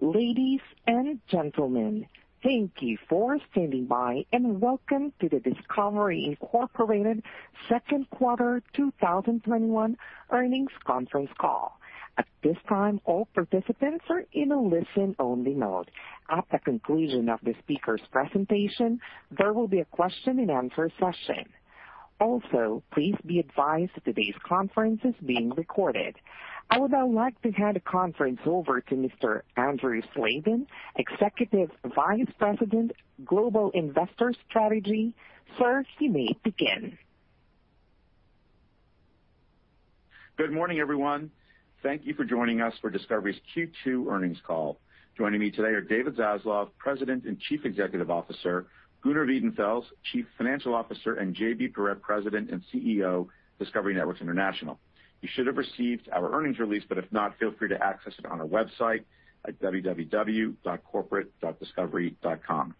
Ladies and gentlemen, thank you for standing by and welcome to the Discovery, Incorporated second quarter 2021 earnings conference call. At this time, all participants are in a listen-only mode. At the conclusion of the speakers' presentation, there will be a question and answer session. Also, please be advised that today's conference is being recorded. I would now like to hand the conference over to Mr. Andrew Slabin, Executive Vice President, Global Investor Strategy. Sir, you may begin. Good morning, everyone. Thank you for joining us for Discovery's Q2 earnings call. Joining me today are David Zaslav, President and Chief Executive Officer, Gunnar Wiedenfels, Chief Financial Officer, and J.B. Perrette, President and CEO, Discovery Networks International. You should have received our earnings release, if not, feel free to access it on our website at www.corporate.discovery.com.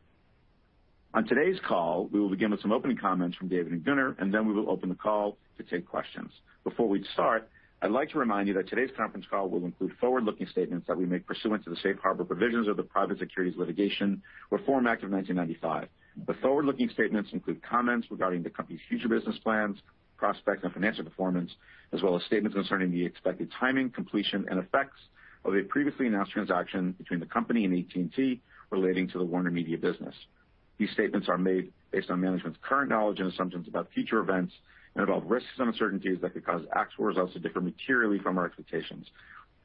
On today's call, we will begin with some opening comments from David and Gunnar. Then we will open the call to take questions. Before we start, I'd like to remind you that today's conference call will include forward-looking statements that we make pursuant to the safe harbor provisions of the Private Securities Litigation Reform Act of 1995. The forward-looking statements include comments regarding the company's future business plans, prospects, and financial performance, as well as statements concerning the expected timing, completion, and effects of a previously announced transaction between the company and AT&T relating to the WarnerMedia business. These statements are made based on management's current knowledge and assumptions about future events and involve risks and uncertainties that could cause actual results to differ materially from our expectations.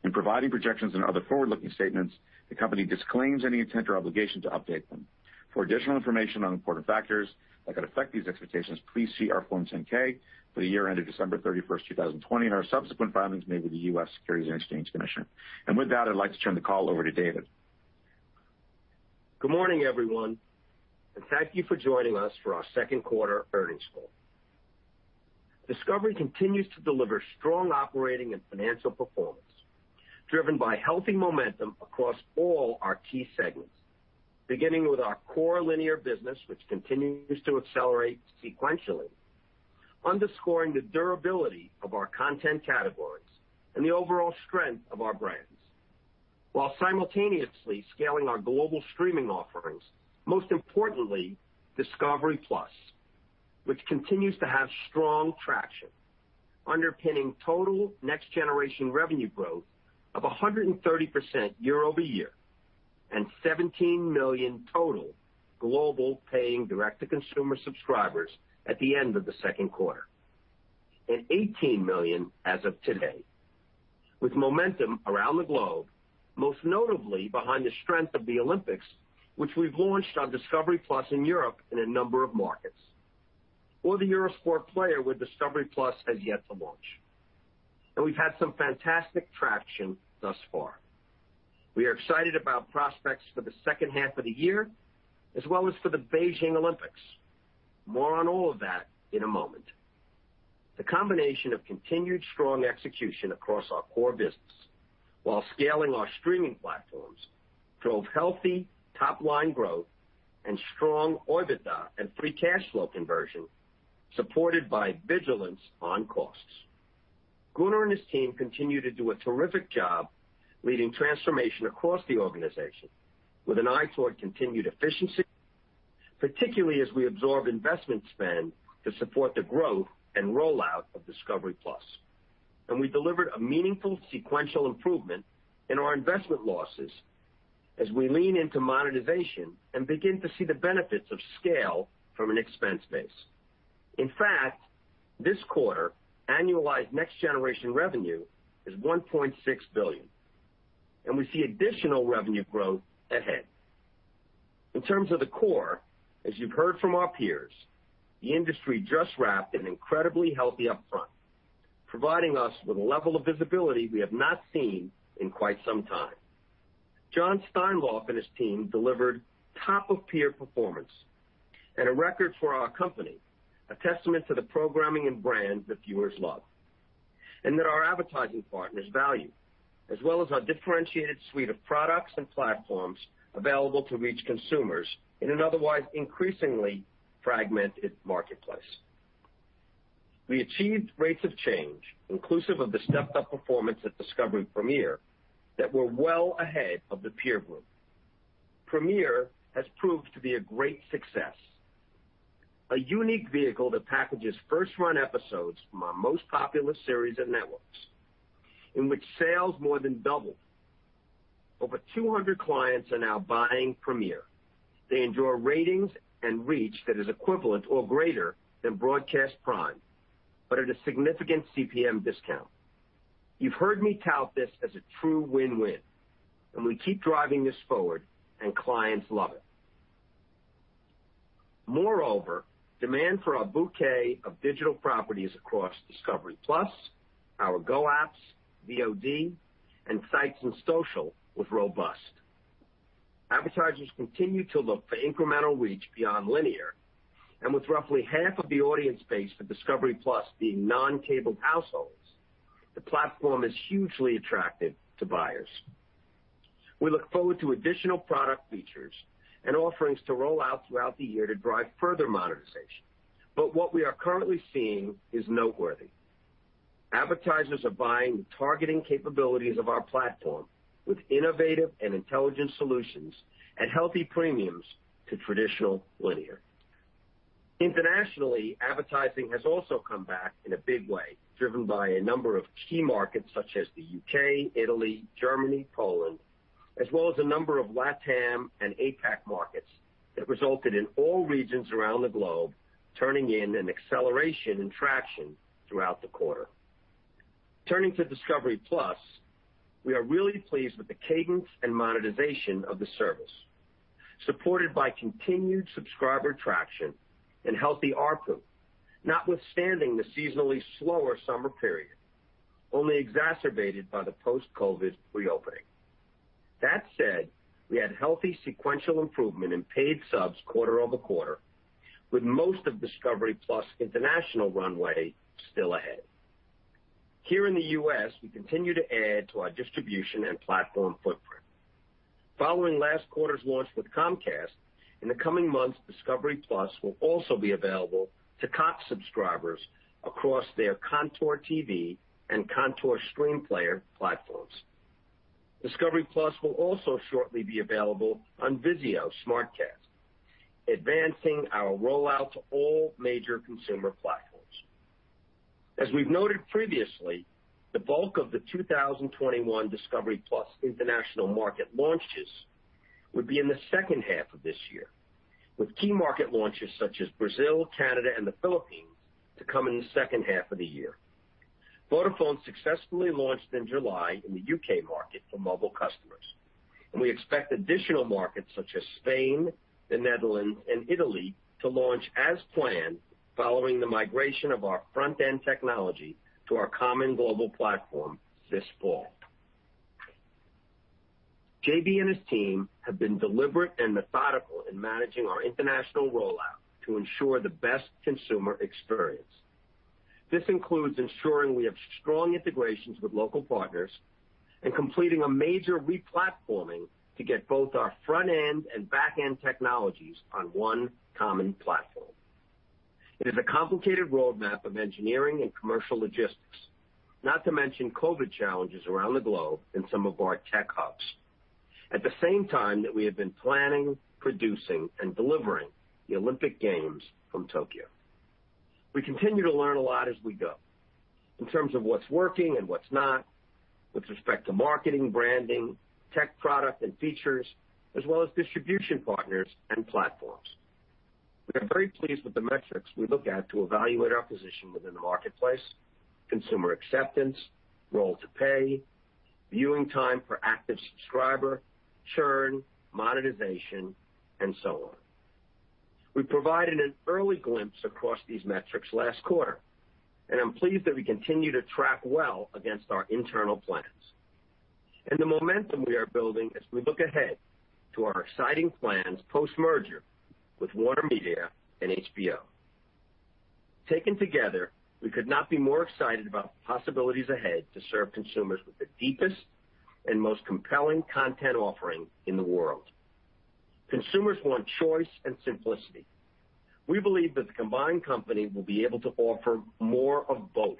In providing projections and other forward-looking statements, the company disclaims any intent or obligation to update them. For additional information on important factors that could affect these expectations, please see our Form 10-K for the year ended December 31st, 2020, and our subsequent filings made with the U.S. Securities and Exchange Commission. With that, I'd like to turn the call over to David. Good morning, everyone, and thank you for joining us for our second quarter earnings call. Discovery continues to deliver strong operating and financial performance driven by healthy momentum across all our key segments. Beginning with our core linear business, which continues to accelerate sequentially, underscoring the durability of our content categories and the overall strength of our brands, while simultaneously scaling our global streaming offerings, most importantly, discovery+, which continues to have strong traction underpinning total next generation revenue growth of 130% year-over-year and 17 million total global paying direct-to-consumer subscribers at the end of the second quarter, and 18 million as of today. With momentum around the globe, most notably behind the strength of the Olympics, which we've launched on discovery+ in Europe in a number of markets. For the Eurosport Player with discovery+ has yet to launch. We've had some fantastic traction thus far. We are excited about prospects for the second half of the year as well as for the Beijing Olympics. More on all of that in a moment. The combination of continued strong execution across our core business while scaling our streaming platforms drove healthy top-line growth and strong OIBDA and free cash flow conversion, supported by vigilance on costs. Gunnar and his team continue to do a terrific job leading transformation across the organization with an eye toward continued efficiency, particularly as we absorb investment spend to support the growth and rollout of discovery+. We delivered a meaningful sequential improvement in our investment losses as we lean into monetization and begin to see the benefits of scale from an expense base. In fact, this quarter, annualized next generation revenue is $1.6 billion, and we see additional revenue growth ahead. In terms of the core, as you've heard from our peers, the industry just wrapped an incredibly healthy upfront, providing us with a level of visibility we have not seen in quite some time. Jon Steinlauf and his team delivered top of peer performance and a record for our company, a testament to the programming and brand that viewers love, and that our advertising partners value, as well as our differentiated suite of products and platforms available to reach consumers in an otherwise increasingly fragmented marketplace. We achieved rates of change inclusive of the stepped-up performance at Discovery Premiere that were well ahead of the peer group. Premiere has proved to be a great success, a unique vehicle that packages first-run episodes from our most popular series of networks, in which sales more than doubled. Over 200 clients are now buying Premiere. They enjoy ratings and reach that is equivalent to or greater than broadcast prime at a significant CPM discount. You've heard me tout this as a true win-win, we keep driving this forward and clients love it. Moreover, demand for our bouquet of digital properties across discovery+, our GO apps, VOD, and sites and social was robust. Advertisers continue to look for incremental reach beyond linear, with roughly half of the audience base for discovery+ being non-cabled households, the platform is hugely attractive to buyers. We look forward to additional product features and offerings to roll out throughout the year to drive further monetization. What we are currently seeing is noteworthy. Advertisers are buying the targeting capabilities of our platform with innovative and intelligent solutions and healthy premiums to traditional linear. Internationally, advertising has also come back in a big way, driven by a number of key markets such as the U.K., Italy, Germany, Poland, as well as a number of LATAM and APAC markets that resulted in all regions around the globe turning in an acceleration in traction throughout the quarter. Turning to discovery+, we are really pleased with the cadence and monetization of the service, supported by continued subscriber traction and healthy ARPU, notwithstanding the seasonally slower summer period, only exacerbated by the post-COVID reopening. That said, we had healthy sequential improvement in paid subs quarter-over-quarter, with most of discovery+ international runway still ahead. Here in the U.S., we continue to add to our distribution and platform footprint. Following last quarter's launch with Comcast, in the coming months, discovery+ will also be available to Cox subscribers across their Contour TV and Contour Stream Player platforms. Discovery+ will also shortly be available on VIZIO SmartCast, advancing our rollout to all major consumer platforms. As we've noted previously, the bulk of the 2021 discovery+ international market launches will be in the second half of this year, with key market launches such as Brazil, Canada, and the Philippines to come in the second half of the year. Vodafone successfully launched in July in the U.K. market for mobile customers. We expect additional markets such as Spain, the Netherlands, and Italy to launch as planned following the migration of our front-end technology to our common global platform this fall. J.B. and his team have been deliberate and methodical in managing our international rollout to ensure the best consumer experience. This includes ensuring we have strong integrations with local partners and completing a major re-platforming to get both our front-end and back-end technologies on one common platform. It is a complicated roadmap of engineering and commercial logistics, not to mention COVID challenges around the globe in some of our tech hubs. At the same time that we have been planning, producing, and delivering the Olympic Games from Tokyo. We continue to learn a lot as we go in terms of what's working and what's not with respect to marketing, branding, tech product, and features, as well as distribution partners and platforms. We are very pleased with the metrics we look at to evaluate our position within the marketplace, consumer acceptance, role to pay, viewing time per active subscriber, churn, monetization, and so on. We provided an early glimpse across these metrics last quarter. I'm pleased that we continue to track well against our internal plans and the momentum we are building as we look ahead to our exciting plans post-merger with WarnerMedia and HBO. Taken together, we could not be more excited about the possibilities ahead to serve consumers with the deepest and most compelling content offering in the world. Consumers want choice and simplicity. We believe that the combined company will be able to offer more of both.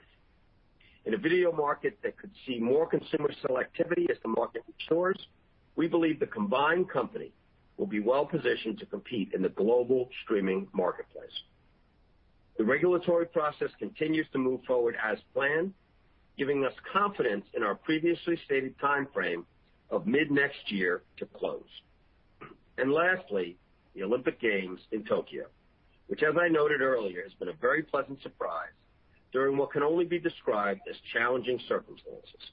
In a video market that could see more consumer selectivity as the market matures, we believe the combined company will be well positioned to compete in the global streaming marketplace. The regulatory process continues to move forward as planned, giving us confidence in our previously stated timeframe of mid-next year to close. Lastly, the Olympic Games in Tokyo, which as I noted earlier, has been a very pleasant surprise during what can only be described as challenging circumstances.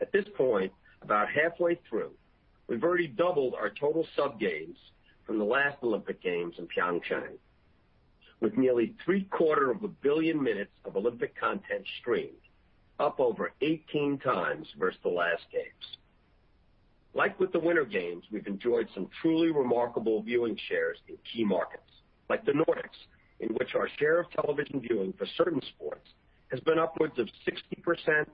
At this point, about halfway through, we've already doubled our total sub games from the last Olympic Games in Pyeongchang, with nearly three-quarter of a billion minutes of Olympic content streamed, up over 18x versus the last games. Like with the Winter Games, we've enjoyed some truly remarkable viewing shares in key markets, like the Nordics, in which our share of television viewing for certain sports has been upwards of 60%-80%,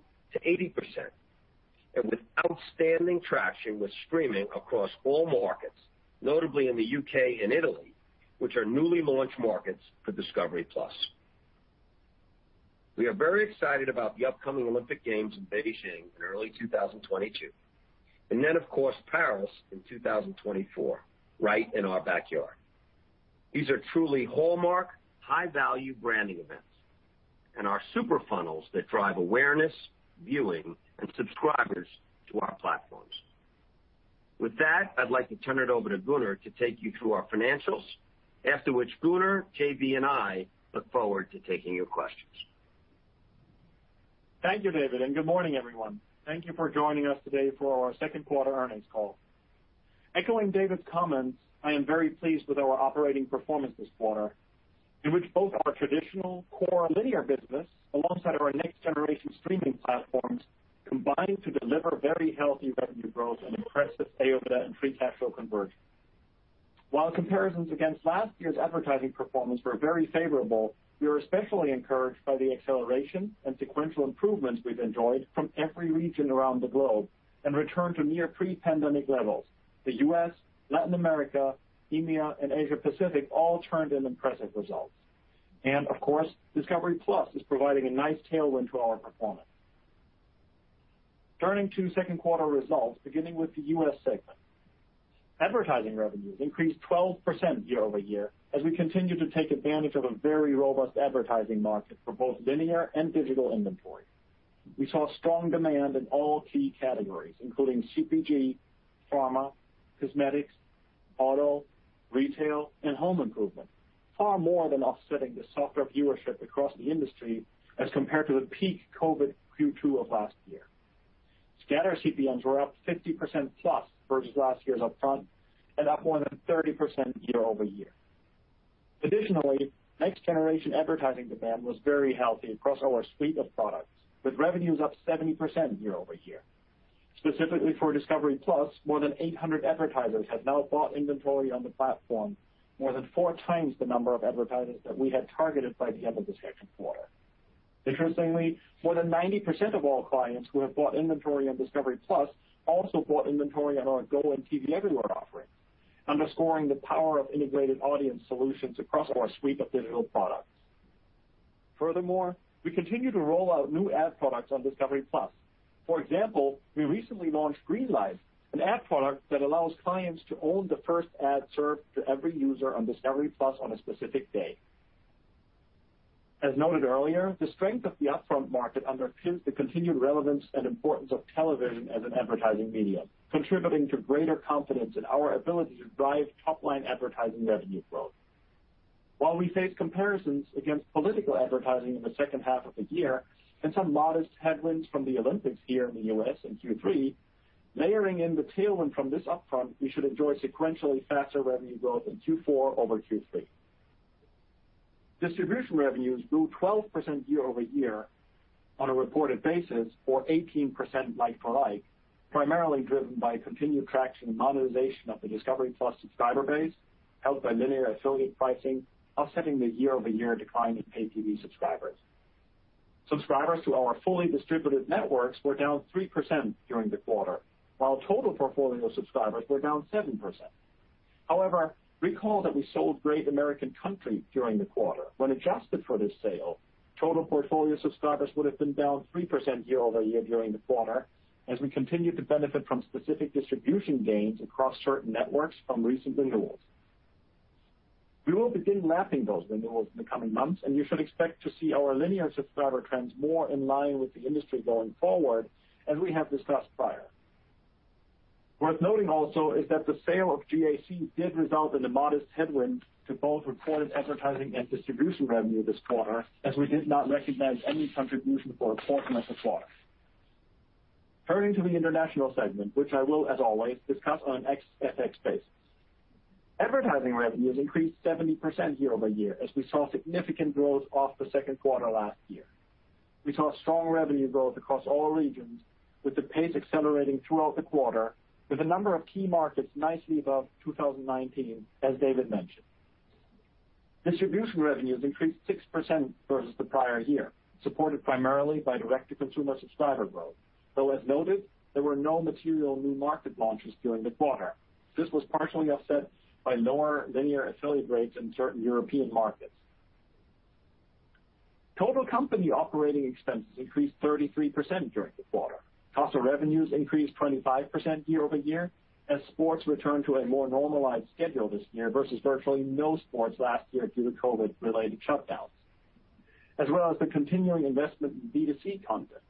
and with outstanding traction with streaming across all markets, notably in the U.K. and Italy, which are newly launched markets for discovery+. We are very excited about the upcoming Olympic Games in Beijing in early 2022, and then of course, Paris in 2024, right in our backyard. These are truly hallmark high-value branding events and are super funnels that drive awareness, viewing, and subscribers to our platforms. With that, I'd like to turn it over to Gunnar to take you through our financials, after which Gunnar, J.B., and I look forward to taking your questions. Thank you, David, and good morning, everyone. Thank you for joining us today for our second quarter earnings call. Echoing David's comments, I am very pleased with our operating performance this quarter, in which both our traditional core linear business alongside our next generation streaming platforms combined to deliver very healthy revenue growth and impressive AOIBDA and free cash flow conversion. While comparisons against last year's advertising performance were very favorable, we were especially encouraged by the acceleration and sequential improvements we've enjoyed from every region around the globe and return to near pre-pandemic levels. The U.S., Latin America, EMEA, and Asia-Pacific all turned in impressive results. Of course, discovery+ is providing a nice tailwind to our performance. Turning to second quarter results, beginning with the U.S. segment. Advertising revenues increased 12% year-over-year as we continued to take advantage of a very robust advertising market for both linear and digital inventory. We saw strong demand in all key categories, including CPG, pharma, cosmetics, auto, retail, and home improvement, far more than offsetting the softer viewership across the industry as compared to the peak-COVID Q2 of last year. Scatter CPMs were up 50%+ versus last year's upfront and up more than 30% year-over-year. Additionally, next generation advertising demand was very healthy across our suite of products, with revenues up 70% year-over-year. Specifically for discovery+, more than 800 advertisers have now bought inventory on the platform, more than four times the number of advertisers that we had targeted by the end of the second quarter. Interestingly, more than 90% of all clients who have bought inventory on discovery+ also bought inventory on our GO and TV Everywhere offerings, underscoring the power of integrated audience solutions across our suite of digital products. Furthermore, we continue to roll out new ad products on discovery+. For example, we recently launched Green-Light, an ad product that allows clients to own the first ad served to every user on discovery+ on a specific day. As noted earlier, the strength of the upfront market underpins the continued relevance and importance of television as an advertising medium, contributing to greater confidence in our ability to drive top-line advertising revenue growth. While we face comparisons against political advertising in the second half of the year and some modest headwinds from the Olympics here in the U.S. in Q3, layering in the tailwind from this upfront, we should enjoy sequentially faster revenue growth in Q4 over Q3. Distribution revenues grew 12% year-over-year on a reported basis or 18% like-for-like, primarily driven by continued traction and monetization of the discovery+ subscriber base, helped by linear affiliate pricing offsetting the year-over-year decline in pay TV subscribers. Subscribers to our fully distributed networks were down 3% during the quarter, while total portfolio subscribers were down 7%. However, recall that we sold Great American Country during the quarter. When adjusted for this sale, total portfolio subscribers would have been down 3% year-over-year during the quarter as we continued to benefit from specific distribution gains across certain networks from recent renewals. We will begin lapping those renewals in the coming months, and you should expect to see our linear subscriber trends more in line with the industry going forward as we have discussed prior. Worth noting also is that the sale of GAC did result in a modest headwind to both reported advertising and distribution revenue this quarter, as we did not recognize any contribution for a portion of the quarter. Turning to the international segment, which I will, as always, discuss on an ex FX basis. Advertising revenues increased 70% year-over-year as we saw significant growth off the second quarter last year. We saw strong revenue growth across all regions with the pace accelerating throughout the quarter with a number of key markets nicely above 2019, as David mentioned. Distribution revenues increased 6% versus the prior year, supported primarily by direct-to-consumer subscriber growth, though as noted, there were no material new market launches during the quarter. This was partially offset by lower linear affiliate rates in certain European markets. Total company operating expenses increased 33% during the quarter. Cost of revenues increased 25% year-over-year as sports returned to a more normalized schedule this year versus virtually no sports last year due to COVID-related shutdowns, as well as the continuing investment in B2C content.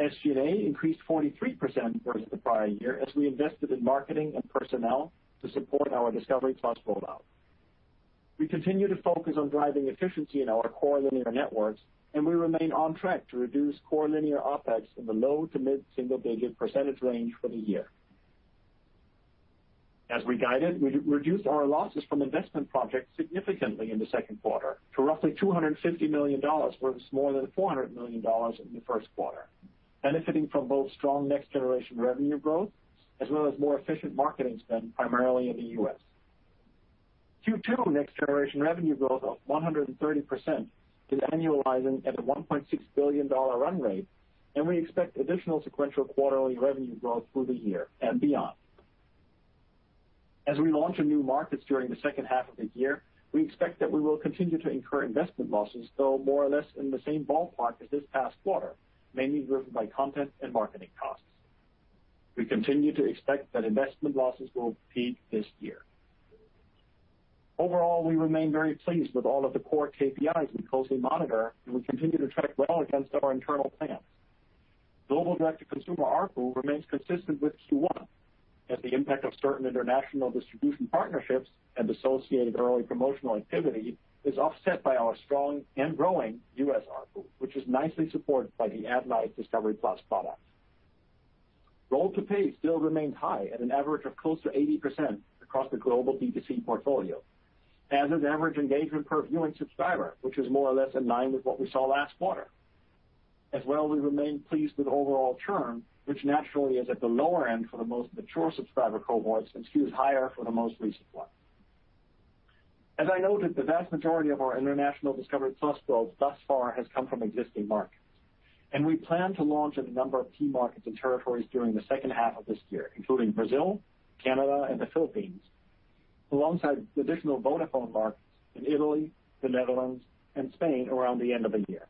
SG&A increased 43% versus the prior year as we invested in marketing and personnel to support our discovery+ rollout. We continue to focus on driving efficiency in our core linear networks, and we remain on track to reduce core linear OpEx in the low to mid single-digit percentage range for the year. As we guided, we reduced our losses from investment projects significantly in the second quarter to roughly $250 million versus more than $400 million in the first quarter, benefiting from both strong next-generation revenue growth as well as more efficient marketing spend primarily in the U.S. Q2 next generation revenue growth of 130% is annualizing at a $1.6 billion run rate, and we expect additional sequential quarterly revenue growth through the year and beyond. As we launch in new markets during the second half of the year, we expect that we will continue to incur investment losses, though more or less in the same ballpark as this past quarter, mainly driven by content and marketing costs. We continue to expect that investment losses will peak this year. Overall, we remain very pleased with all of the core KPIs we closely monitor, and we continue to track well against our internal plans. Global direct to consumer ARPU remains consistent with Q1 as the impact of certain international distribution partnerships and associated early promotional activity is offset by our strong and growing U.S. ARPU, which is nicely supported by the Ad-Lite discovery+ product. Roll to pay still remains high at an average of close to 80% across the global B2C portfolio, as is average engagement per viewing subscriber, which is more or less in line with what we saw last quarter. As well, we remain pleased with overall churn, which naturally is at the lower end for the most mature subscriber cohorts and skews higher for the most recent one. As I noted, the vast majority of our International discovery+ growth thus far has come from existing markets, and we plan to launch in a number of key markets and territories during the second half of this year, including Brazil, Canada, and the Philippines, alongside additional Vodafone markets in Italy, the Netherlands, and Spain around the end of the year.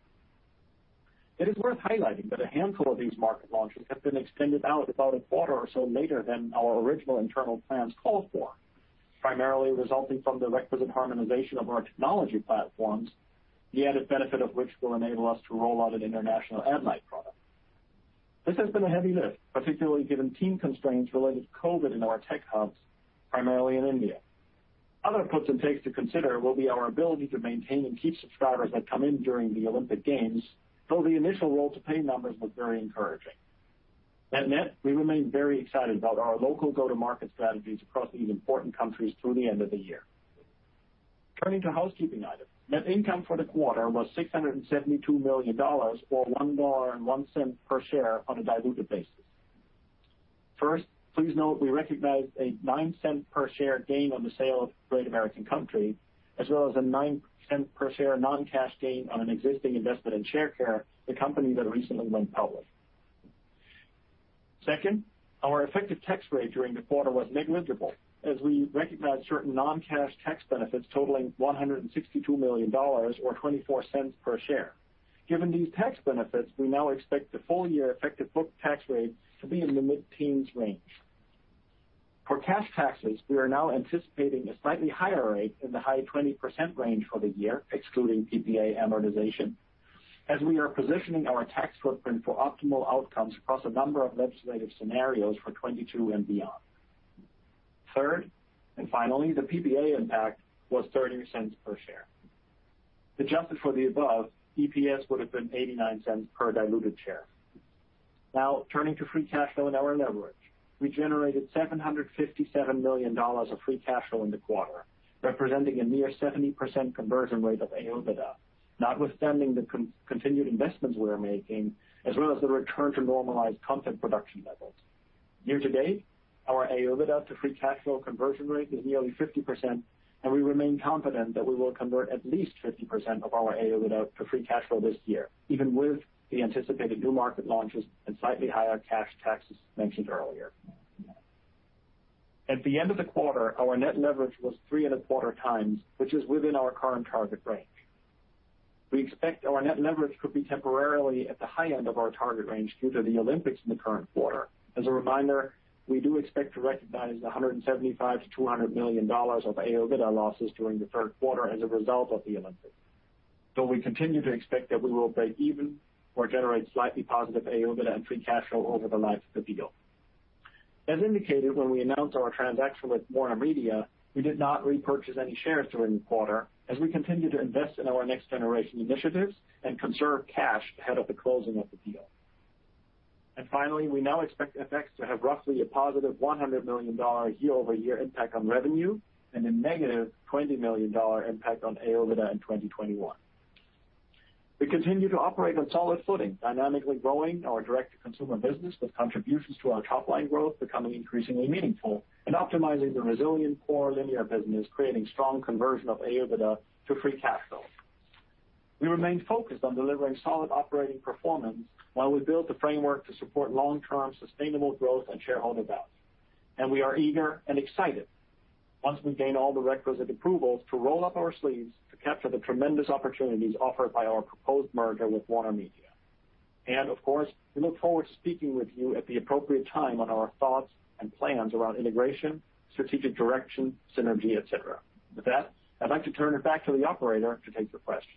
It is worth highlighting that a handful of these market launches have been extended out about a quarter or so later than our original internal plans called for, primarily resulting from the requisite harmonization of our technology platforms, the added benefit of which will enable us to roll out an international Ad-Lite product. This has been a heavy lift, particularly given team constraints related to COVID in our tech hubs, primarily in India. Other puts and takes to consider will be our ability to maintain and keep subscribers that come in during the Olympic Games, though the initial roll to pay numbers look very encouraging. That net, we remain very excited about our local go-to-market strategies across these important countries through the end of the year. Turning to housekeeping items. Net income for the quarter was $672 million, or $1.01 per share on a diluted basis. First, please note we recognized a $0.09 per share gain on the sale of Great American Country, as well as a $0.09 per share non-cash gain on an existing investment in Sharecare, the company that recently went public. Second, our effective tax rate during the quarter was negligible as we recognized certain non-cash tax benefits totaling $162 million, or $0.24 per share. Given these tax benefits, we now expect the full year effective book tax rate to be in the mid-teens range. For cash taxes, we are now anticipating a slightly higher rate in the high 20% range for the year, excluding PPA amortization, as we are positioning our tax footprint for optimal outcomes across a number of legislative scenarios for 2022 and beyond. Third, and finally, the PPA impact was $0.30 per share. Adjusted for the above, EPS would've been $0.89 per diluted share. Turning to free cash flow and our leverage. We generated $757 million of free cash flow in the quarter, representing a near 70% conversion rate of AOIBDA, notwithstanding the continued investments we are making, as well as the return to normalized content production levels. Year to date, our AOIBDA to free cash flow conversion rate is nearly 50%, and we remain confident that we will convert at least 50% of our AOIBDA to free cash flow this year, even with the anticipated new market launches and slightly higher cash taxes mentioned earlier. At the end of the quarter, our net leverage was 3.25x, which is within our current target range. We expect our net leverage could be temporarily at the high end of our target range due to the Olympics in the current quarter. As a reminder, we do expect to recognize $175 million-$200 million of AOIBDA losses during the third quarter as a result of the Olympics, though we continue to expect that we will break even or generate slightly positive AOIBDA and free cash flow over the life of the deal. As indicated when we announced our transaction with WarnerMedia, we did not repurchase any shares during the quarter as we continue to invest in our next generation initiatives and conserve cash ahead of the closing of the deal. Finally, we now expect FX to have roughly a +$100 million year-over-year impact on revenue and a -$20 million impact on AOIBDA in 2021. We continue to operate on solid footing, dynamically growing our direct-to-consumer business with contributions to our top-line growth becoming increasingly meaningful and optimizing the resilient core linear business, creating strong conversion of AOIBDA to free cash flow. We remain focused on delivering solid operating performance while we build the framework to support long-term sustainable growth and shareholder value. We are eager and excited once we gain all the requisite approvals to roll up our sleeves to capture the tremendous opportunities offered by our proposed merger with WarnerMedia. Of course, we look forward to speaking with you at the appropriate time on our thoughts and plans around integration, strategic direction, synergy, et cetera. With that, I'd like to turn it back to the operator to take the questions.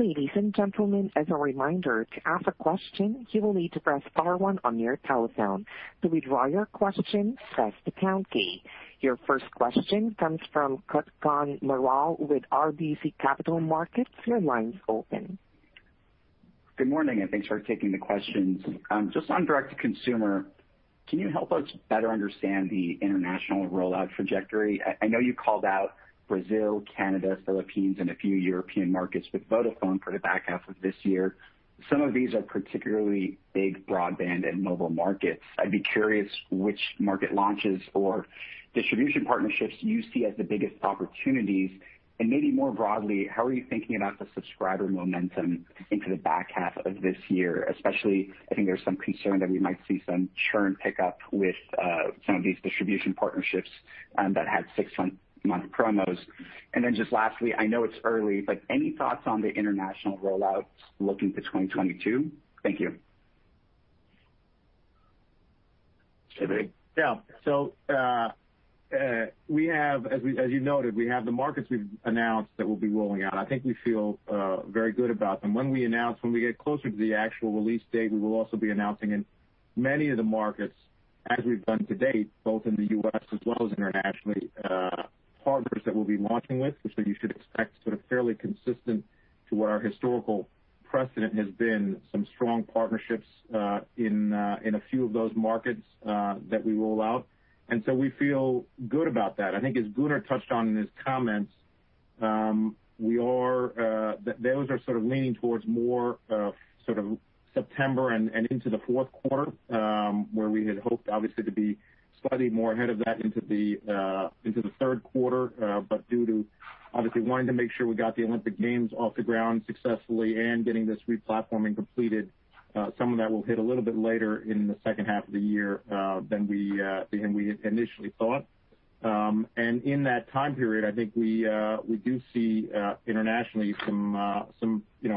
Ladies and gentlemen, as a reminder, to ask a question, you will need to press star one on your telephone. To withdraw your question, press the pound key. Your first question comes from Kutgun Maral with RBC Capital Markets. Your line's open. Good morning, and thanks for taking the questions. Just on direct-to-consumer, can you help us better understand the international rollout trajectory? I know you called out Brazil, Canada, Philippines, and a few European markets with Vodafone for the back half of this year. Some of these are particularly big broadband and mobile markets. I'd be curious which market launches or distribution partnerships you see as the biggest opportunities. Maybe more broadly, how are you thinking about the subscriber momentum into the back half of this year? Especially, I think there's some concern that we might see some churn pick up with some of these distribution partnerships that had six-month promos. Just lastly, I know it's early, but any thoughts on the international rollouts looking to 2022? Thank you. Yeah. As you noted, we have the markets we've announced that we'll be rolling out. I think we feel very good about them. When we get closer to the actual release date, we will also be announcing in many of the markets, as we've done to date, both in the U.S. as well as internationally, partners that we'll be launching with. You should expect sort of fairly consistent to where our historical precedent has been, some strong partnerships in a few of those markets that we roll out. We feel good about that. I think as Gunnar touched on in his comments Those are sort of leaning towards more September and into the fourth quarter, where we had hoped, obviously, to be slightly more ahead of that into the third quarter. Due to obviously wanting to make sure we got the Olympic Games off the ground successfully and getting this replatforming completed, some of that will hit a little bit later in the second half of the year than we had initially thought. In that time period, I think we do see internationally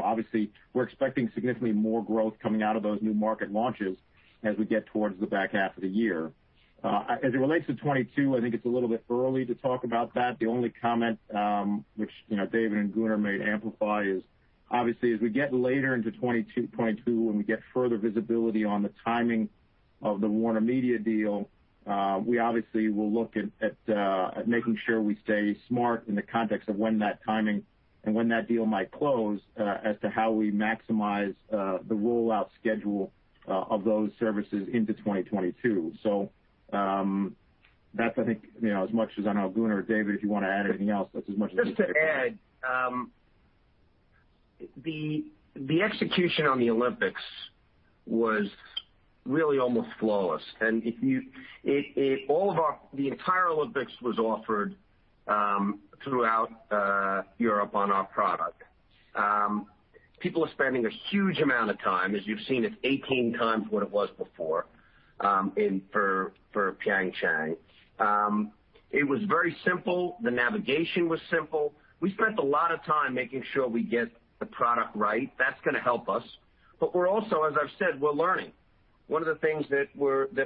obviously, we're expecting significantly more growth coming out of those new market launches as we get towards the back half of the year. As it relates to 2022, I think it's a little bit early to talk about that. The only comment which David and Gunnar may amplify is, obviously, as we get later into 2022 and we get further visibility on the timing of the WarnerMedia deal, we obviously will look at making sure we stay smart in the context of when that timing and when that deal might close as to how we maximize the rollout schedule of those services into 2022. That's, I think, as much as I know Gunnar or David, if you want to add anything else, that's as much as. Just to add. The execution on the Olympics was really almost flawless. The entire Olympics was offered throughout Europe on our product. People are spending a huge amount of time. As you've seen, it's 18x what it was before for Pyeongchang. It was very simple. The navigation was simple. We spent a lot of time making sure we get the product right. That's going to help us. We're also, as I've said, we're learning. One of the things that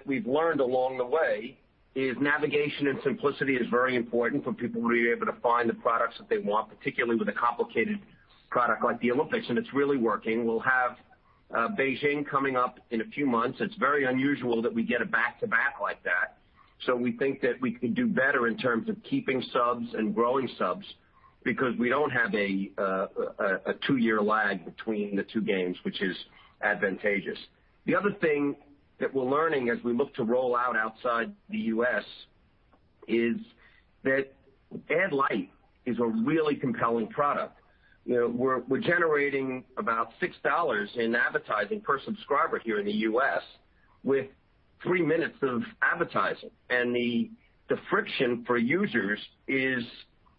we've learned along the way is navigation and simplicity is very important for people to be able to find the products that they want, particularly with a complicated product like the Olympics, and it's really working. We'll have Beijing coming up in a few months. It's very unusual that we get it back-to-back like that. We think that we can do better in terms of keeping subs and growing subs because we don't have a two-year lag between the two games, which is advantageous. The other thing that we're learning as we look to roll out outside the U.S. is that Ad-Lite is a really compelling product. We're generating about $6 in advertising per subscriber here in the U.S. with three minutes of advertising, and the friction for users is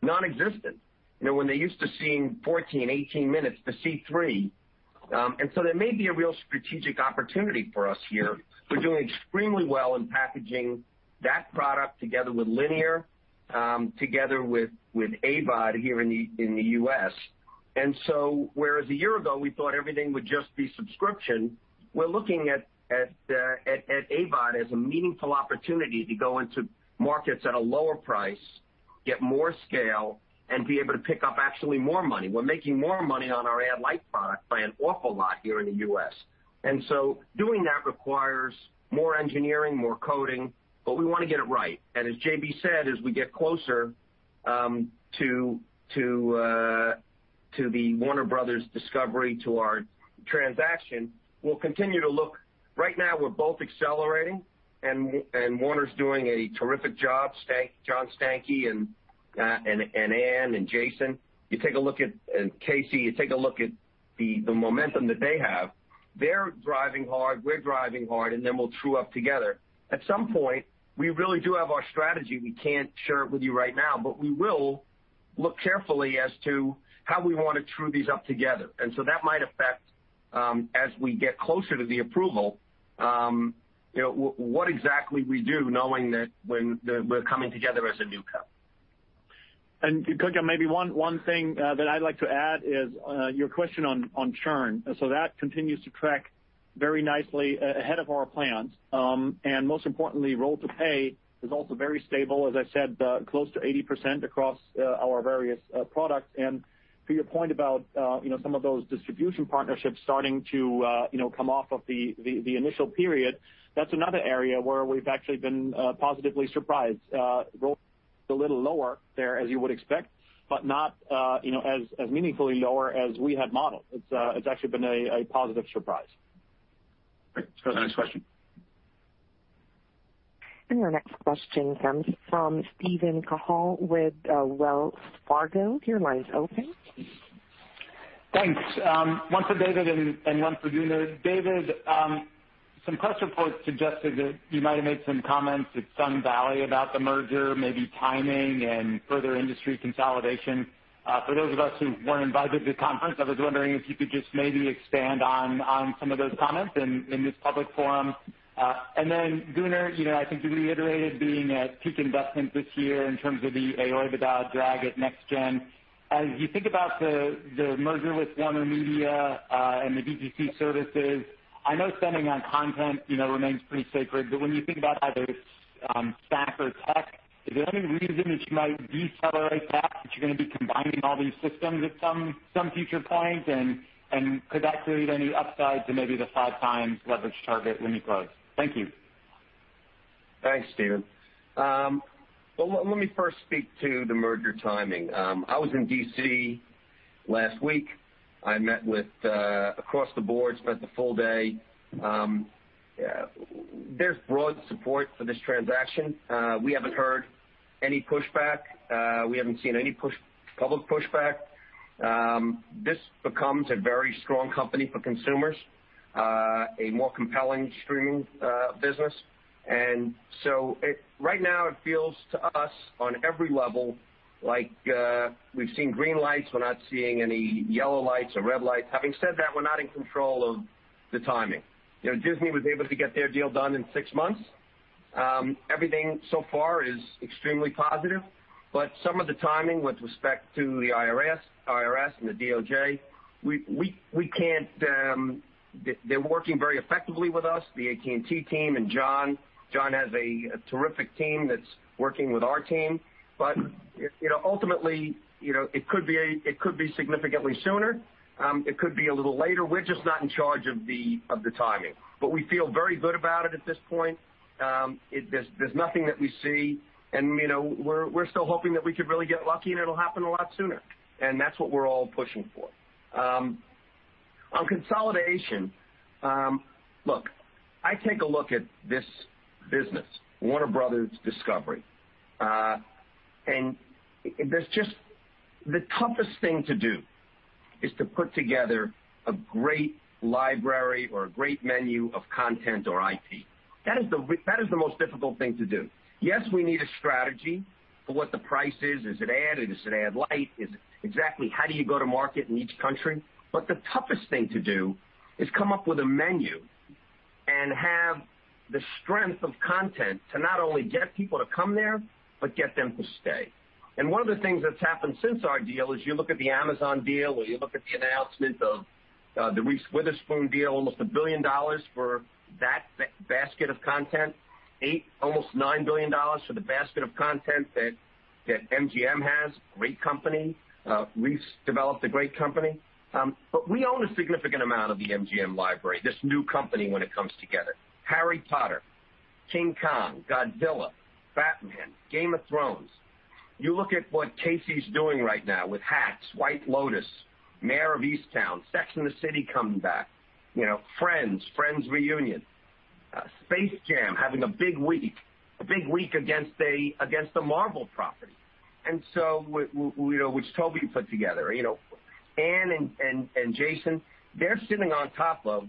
nonexistent. When they're used to seeing 14, 18 minutes to see three. There may be a real strategic opportunity for us here. We're doing extremely well in packaging that product together with linear, together with AVOD here in the U.S. Whereas a year ago, we thought everything would just be subscription, we're looking at AVOD as a meaningful opportunity to go into markets at a lower price, get more scale, and be able to pick up actually more money. We're making more money on our ad light product by an awful lot here in the U.S. Doing that requires more engineering, more coding, but we want to get it right. As J.B. said, as we get closer to the Warner Brothers Discovery, to our transaction, we'll continue to look. Right now, we're both accelerating and Warner's doing a terrific job. John Stankey and Ann and Jason. You take a look at Casey. You take a look at the momentum that they have. They're driving hard, we're driving hard, we'll true up together. At some point, we really do have our strategy. We can't share it with you right now, but we will look carefully as to how we want to true these up together. That might affect as we get closer to the approval what exactly we do, knowing that we're coming together as a new company. Kutgun, maybe one thing that I'd like to add is your question on churn. That continues to track very nicely ahead of our plans. Most importantly, roll to pay is also very stable, as I said, close to 80% across our various products. To your point about some of those distribution partnerships starting to come off of the initial period, that's another area where we've actually been positively surprised. Roll a little lower there as you would expect, but not as meaningfully lower as we had modeled. It's actually been a positive surprise. Great. Next question. Your next question comes from Steven Cahall with Wells Fargo. Your line is open. Thanks. One for David and one for Gunnar. David, some press reports suggested that you might have made some comments at Sun Valley about the merger, maybe timing and further industry consolidation. For those of us who weren't invited to the conference, I was wondering if you could just maybe expand on some of those comments in this public forum. Gunnar, I think you reiterated being at peak investment this year in terms of the AOIBDA drag at NextGen. As you think about the merger with WarnerMedia and the DTC services, I know spending on content remains pretty sacred, but when you think about either stack or tech, is there any reason that you might decelerate that you're going to be combining all these systems at some future point? Could that create any upside to maybe the 5x leverage target when you close? Thank you. Thanks, Steven. Well, let me first speak to the merger timing. I was in D.C. last week, I met with, across the board, spent the full day. There's broad support for this transaction. We haven't heard any pushback. We haven't seen any public pushback. This becomes a very strong company for consumers, a more compelling stream business. Right now it feels to us, on every level, like we've seen green lights. We're not seeing any yellow lights or red lights. Having said that, we're not in control of the timing. Disney was able to get their deal done in six months. Everything so far is extremely positive, some of the timing with respect to the IRS and the DOJ, they're working very effectively with us, the AT&T team and John. John has a terrific team that's working with our team. Ultimately, it could be significantly sooner. It could be a little later. We're just not in charge of the timing. We feel very good about it at this point. There's nothing that we see, and we're still hoping that we could really get lucky, and it'll happen a lot sooner. That's what we're all pushing for. On consolidation, look, I take a look at this business, Warner Brothers Discovery. The toughest thing to do is to put together a great library or a great menu of content or IP. That is the most difficult thing to do. Yes, we need a strategy for what the price is. Is it ad? Is it ad light? Exactly how do you go to market in each country? The toughest thing to do is come up with a menu and have the strength of content to not only get people to come there, but get them to stay. One of the things that's happened since our deal is you look at the Amazon deal, or you look at the announcement of the Reese Witherspoon deal, almost $1 billion for that basket of content, almost $9 billion for the basket of content that MGM has. Great company. Reese developed a great company. We own a significant amount of the MGM library, this new company, when it comes together. Harry Potter, King Kong, Godzilla, Batman, Game of Thrones. You look at what Casey's doing right now with Hacks, White Lotus, Mare of Easttown, Sex and the City coming back, Friends Reunion, Space Jam, having a big week against the Marvel property, which Toby put together. Ann S and Jason, they're sitting on top of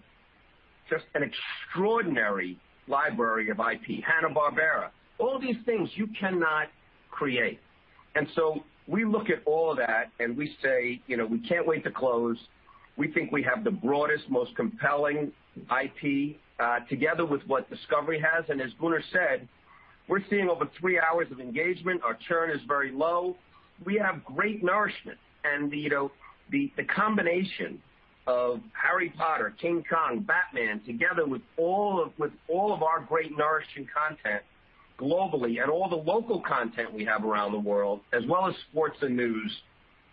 just an extraordinary library of IP. Hanna-Barbera. All these things you cannot create. We look at all of that and we say, we can't wait to close. We think we have the broadest, most compelling IP, together with what Discovery has. As Gunnar said, we're seeing over three hours of engagement. Our churn is very low. We have great nourishment. The combination of Harry Potter, King Kong, Batman, together with all of our great nourishing content globally and all the local content we have around the world, as well as sports and news,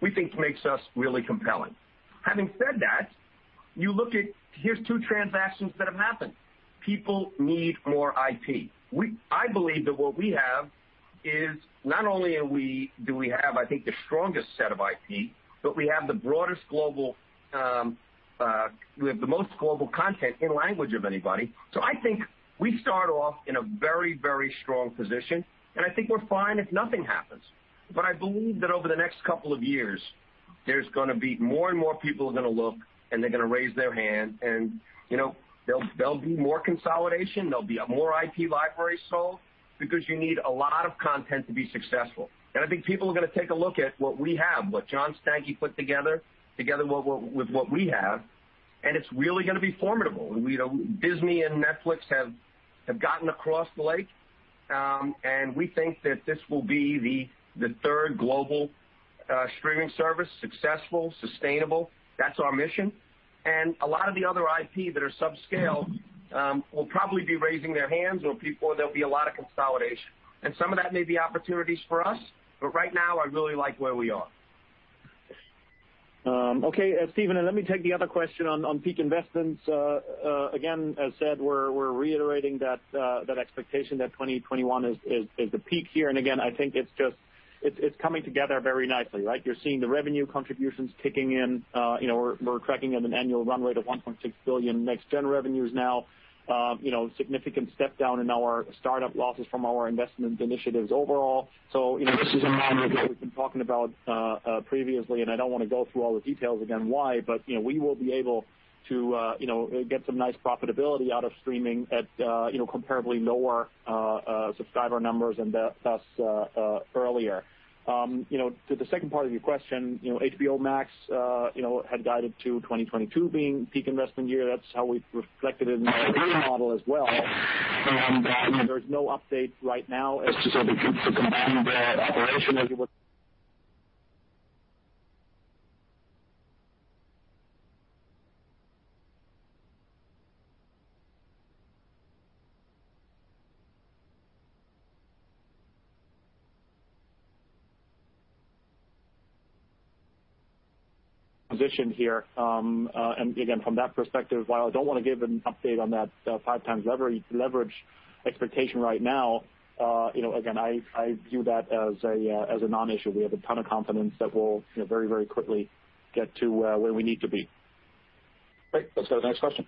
we think makes us really compelling. Having said that, here's two transactions that have happened. People need more IP. I believe that what we have is not only do we have, I think, the strongest set of IP, but we have the most global content in language of anybody. I think we start off in a very strong position, and I think we're fine if nothing happens. I believe that over the next couple of years, there's going to be more and more people are going to look and they're going to raise their hand and there'll be more consolidation. There'll be more IP libraries sold because you need a lot of content to be successful. I think people are going to take a look at what we have, what John Stankey put together with what we have, and it's really going to be formidable. Disney and Netflix have gotten across the lake, and we think that this will be the third global streaming service, successful, sustainable. That's our mission. A lot of the other IP that are subscale will probably be raising their hands or there'll be a lot of consolidation. Some of that may be opportunities for us. Right now, I really like where we are. Okay, Steven, let me take the other question on peak investments. Again, as said, we're reiterating that expectation that 2021 is the peak year. Again, I think it's coming together very nicely, right? You're seeing the revenue contributions kicking in. We're tracking at an annual run rate of $1.6 billion next gen revenues now. Significant step down in our startup losses from our investment initiatives overall. This is in line with what we've been talking about previously, and I don't want to go through all the details again why, but we will be able to get some nice profitability out of streaming at comparably lower subscriber numbers and thus earlier. To the second part of your question, HBO Max had guided to 2022 being peak investment year. That's how we've reflected it in our model as well. There's no update right now as to combining the operation as you would. Position here. From that perspective, while I don't want to give an update on that 5x leverage expectation right now, again, I view that as a non-issue. We have a ton of confidence that we'll very quickly get to where we need to be. Great. Let's go to the next question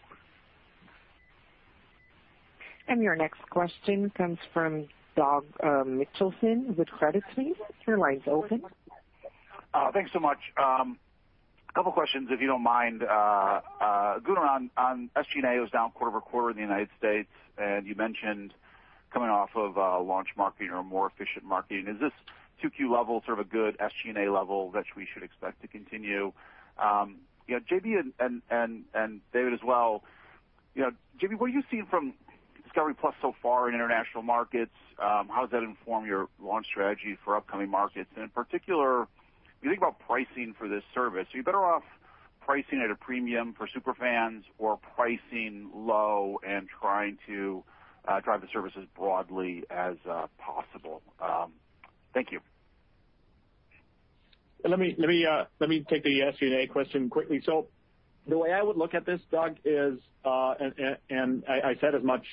Your next question comes from Doug Mitchelson with Credit Suisse. Your line's open. Thanks so much. Couple questions, if you don't mind. Gunnar, on SG&A, it was down quarter-over-quarter in the U.S., and you mentioned coming off of a launch marketing or a more efficient marketing. Is this 2Q level sort of a good SG&A level that we should expect to continue? J.B. and David as well. J.B., what do you see from discovery+ so far in international markets? How does that inform your launch strategy for upcoming markets? In particular, you think about pricing for this service. Are you better off pricing at a premium for super fans or pricing low and trying to drive the services broadly as possible? Thank you. Let me take the SG&A question quickly. The way I would look at this, Doug, is and I said as much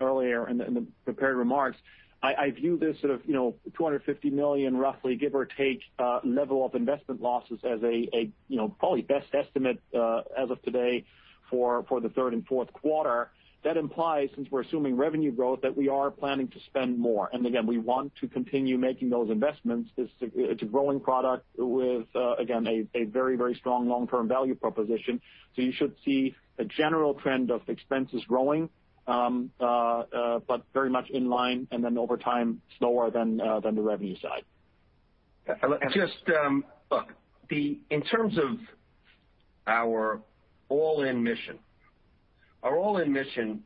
earlier in the prepared remarks. I view this sort of $250 million roughly, give or take, level of investment losses as a probably best estimate as of today for the third and fourth quarter. That implies, since we're assuming revenue growth, that we are planning to spend more. Again, we want to continue making those investments. It's a growing product with again, a very strong long-term value proposition. You should see a general trend of expenses growing, but very much in line and then over time, slower than the revenue side. Just look, in terms of our all-in mission. Our all-in mission,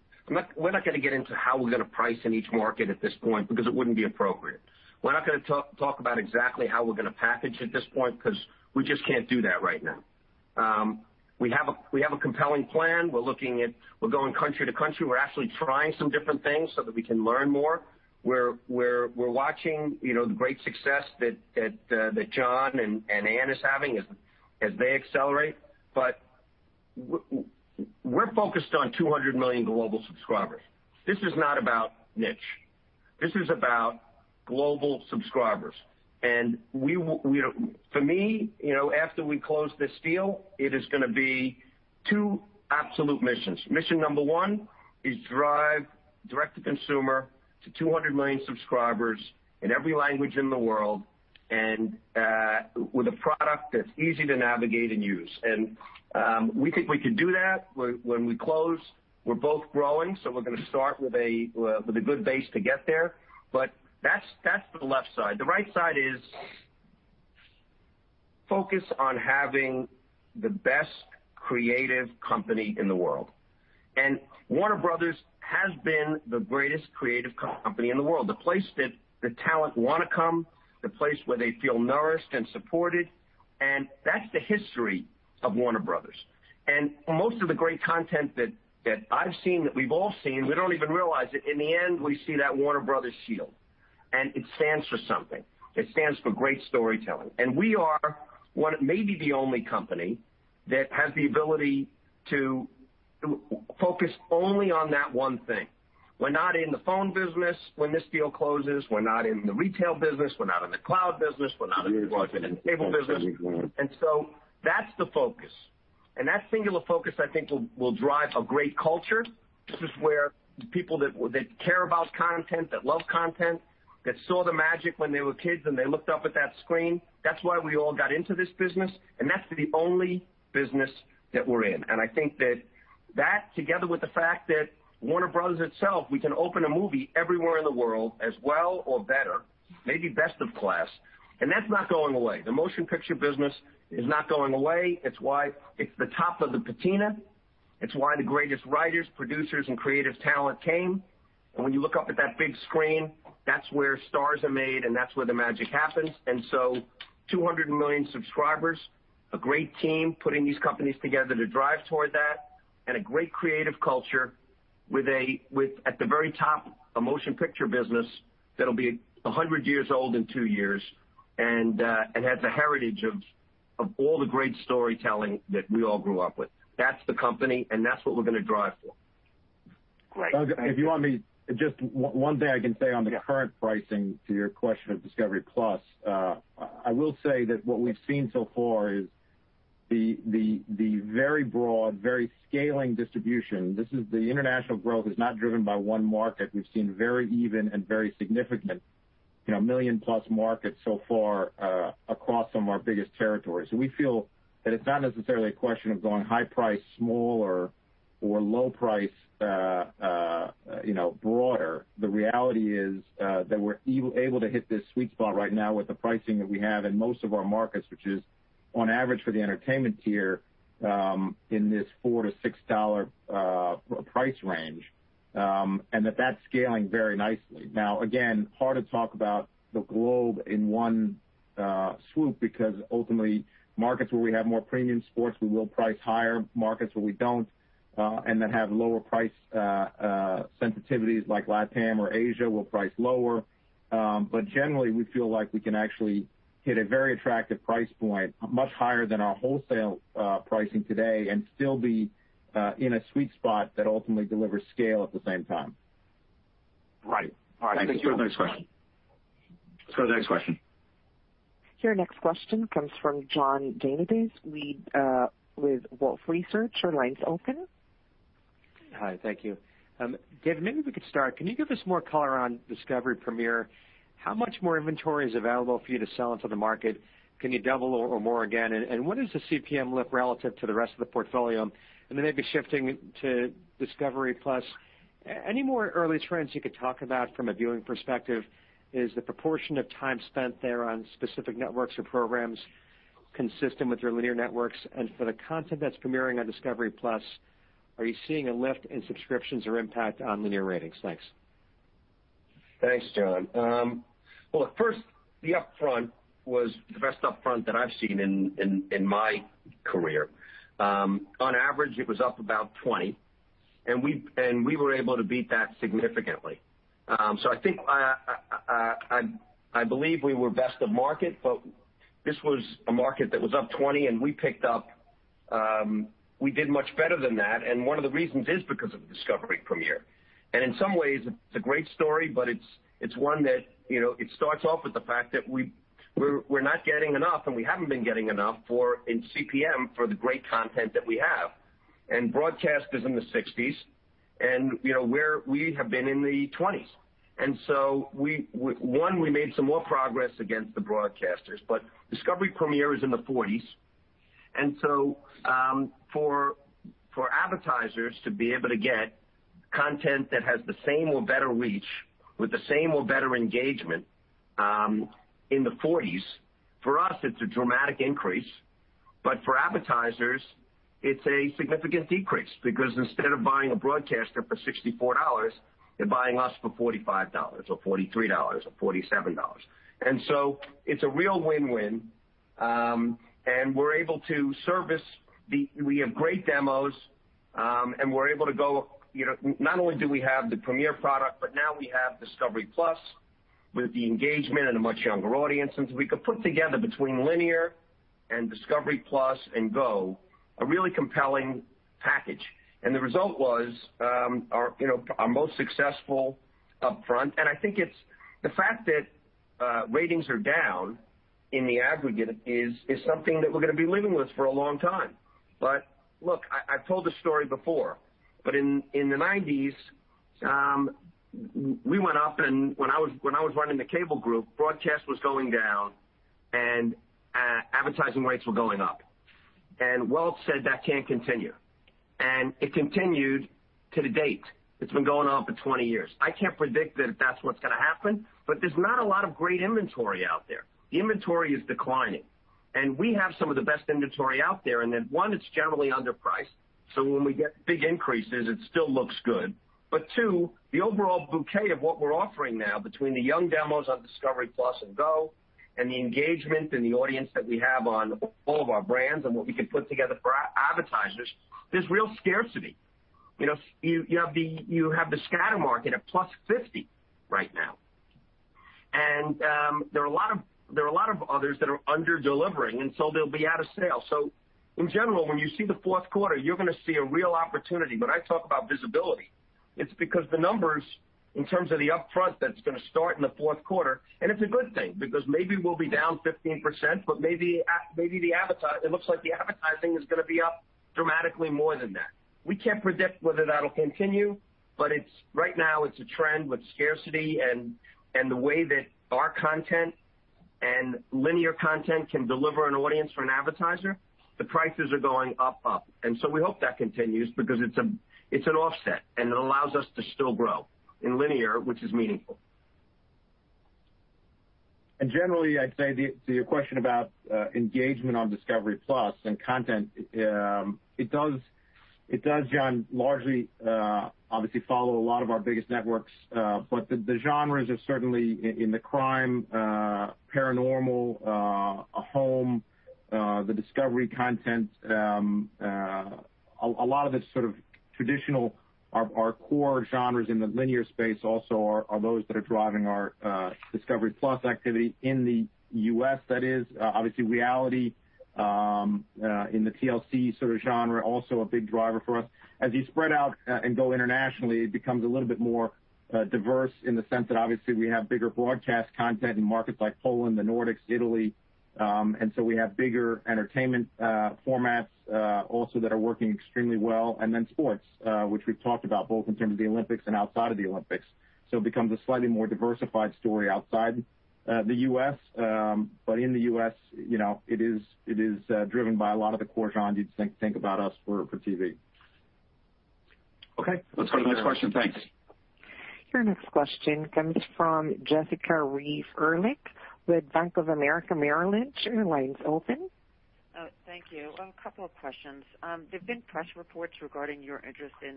we're not going to get into how we're going to price in each market at this point because it wouldn't be appropriate. We're not going to talk about exactly how we're going to package at this point because we just can't do that right now. We have a compelling plan. We're going country to country. We're actually trying some different things so that we can learn more. We're watching the great success that John and Ann is having as they accelerate. We're focused on 200 million global subscribers. This is not about niche. This is about global subscribers. For me, after we close this deal, it is going to be two absolute missions. Mission number one is drive direct-to-consumer to 200 million subscribers in every language in the world and with a product that's easy to navigate and use. We think we can do that when we close. We're both growing, so we're going to start with a good base to get there. That's the left side. The right side is focus on having the best creative company in the world. Warner Brothers has been the greatest creative company in the world, the place that the talent want to come, the place where they feel nourished and supported, and that's the history of Warner Brothers Most of the great content that I've seen, that we've all seen, we don't even realize it. In the end, we see that Warner Brothers shield, and it stands for something. It stands for great storytelling. We are maybe the only company that has the ability to focus only on that one thing. We're not in the phone business when this deal closes. We're not in the retail business. We're not in the cloud business. We're not in the cable business. That's the focus. That singular focus, I think will drive a great culture. This is where people that care about content, that love content, that saw the magic when they were kids, and they looked up at that screen. That's why we all got into this business, and that's the only business that we're in. I think that that together with the fact that Warner Brothers itself, we can open a movie everywhere in the world as well or better, maybe best of class, and that's not going away. The motion picture business is not going away. It's the top of the patina. It's why the greatest writers, producers, and creative talent came. When you look up at that big screen, that's where stars are made, and that's where the magic happens. 200 million subscribers, a great team putting these companies together to drive toward that, and a great creative culture with at the very top, a motion picture business that'll be 100 years old in two years and has a heritage of all the great storytelling that we all grew up with. That's the company, and that's what we're going to drive for. Great. Doug, If you want me, just one thing I can say on the current pricing to your question of discovery+. I will say that what we've seen so far is the very broad, very scaling distribution. The international growth is not driven by one market. We've seen very even and very significant million-plus markets so far across some of our biggest territories. We feel that it's not necessarily a question of going high price smaller or low price broader. The reality is that we're able to hit this sweet spot right now with the pricing that we have in most of our markets, which is on average for the entertainment tier in this $4-$6 price range. That that's scaling very nicely. Now, again, hard to talk about the globe in one swoop because ultimately, markets where we have more premium sports, we will price higher. Markets where we don't and that have lower price sensitivities like LATAM or Asia, we'll price lower. Generally, we feel like we can actually hit a very attractive price point much higher than our wholesale pricing today and still be in a sweet spot that ultimately delivers scale at the same time. Right. All right. Thank you. Sure. Next question. Let's go to the next question. Your next question comes from John Janedis with Wolfe Research. Your line's open. Hi, thank you. David, maybe we could start. Can you give us more color on Discovery Premiere? How much more inventory is available for you to sell into the market? Can you double or more again? What does the CPM look relative to the rest of the portfolio? Maybe shifting to discovery+, any more early trends you could talk about from a viewing perspective? Is the proportion of time spent there on specific networks or programs consistent with your linear networks? For the content that's premiering on discovery+, are you seeing a lift in subscriptions or impact on linear ratings? Thanks. Thanks, John. Well, look, first, the upfront was the best upfront that I've seen in my career. On average, it was up about 20%, and we were able to beat that significantly. I believe we were best of market, but this was a market that was up 20%, and we did much better than that, and one of the reasons is because of Discovery Premiere. In some ways it's a great story, but it starts off with the fact that we're not getting enough, and we haven't been getting enough in CPM for the great content that we have. Broadcast is in the $60s and we have been in the $20s. One, we made some more progress against the broadcasters, but Discovery Premiere is in the $40s. For advertisers to be able to get content that has the same or better reach with the same or better engagement, in the $40s. For us, it's a dramatic increase. For advertisers, it's a significant decrease because instead of buying a broadcaster for $64, they're buying us for $45 or $43 or $47. It's a real win-win, and we have great demos, and not only do we have the Premiere product, but now we have discovery+ with the engagement and a much younger audience. We could put together between linear and discovery+ and GO, a really compelling package. The result was our most successful upfront. I think it's the fact that ratings are down in the aggregate is something that we're going to be living with for a long time. Look, I've told this story before, in the 1990s, we went up and when I was running the cable group, broadcast was going down and advertising rates were going up. Welch said that can't continue, and it continued to the date. It's been going on for 20 years. I can't predict that that's what's going to happen, but there's not a lot of great inventory out there. Inventory is declining, and we have some of the best inventory out there. Then one, it's generally underpriced, so when we get big increases, it still looks good. Two, the overall bouquet of what we're offering now between the young demos on discovery+ and GO and the engagement and the audience that we have on all of our brands and what we can put together for advertisers, there's real scarcity. You have the scatter market at +50 right now. There are a lot of others that are under-delivering, and so they'll be out of sale. In general, when you see the fourth quarter, you're going to see a real opportunity. When I talk about visibility, it's because the numbers in terms of the upfront, that's going to start in the fourth quarter. It's a good thing because maybe we'll be down 15%, but it looks like the advertising is going to be up dramatically more than that. We can't predict whether that'll continue, but right now it's a trend with scarcity and the way that our content and linear content can deliver an audience for an advertiser. The prices are going up, and so we hope that continues because it's an offset, and it allows us to still grow in linear, which is meaningful. Generally, I'd say to your question about engagement on discovery+ and content, it does, John, largely obviously follow a lot of our biggest networks. The genres are certainly in the crime, paranormal, home, the Discovery content. A lot of the sort of traditional, our core genres in the linear space also are those that are driving our discovery+ activity in the U.S. that is. Obviously reality, in the TLC sort of genre, also a big driver for us. As you spread out and go internationally, it becomes a little bit more diverse in the sense that obviously we have bigger broadcast content in markets like Poland, the Nordics, Italy. We have bigger entertainment formats, also that are working extremely well. Sports, which we've talked about both in terms of the Olympics and outside of the Olympics. It becomes a slightly more diversified story outside the U.S. In the U.S. it is driven by a lot of the core genres you'd think about us for TV. Okay. Let's go to the next question. Thanks. Your next question comes from Jessica Reif Ehrlich with Bank of America Merrill Lynch. Your line's open. Thank you. A couple of questions. There've been press reports regarding your interest in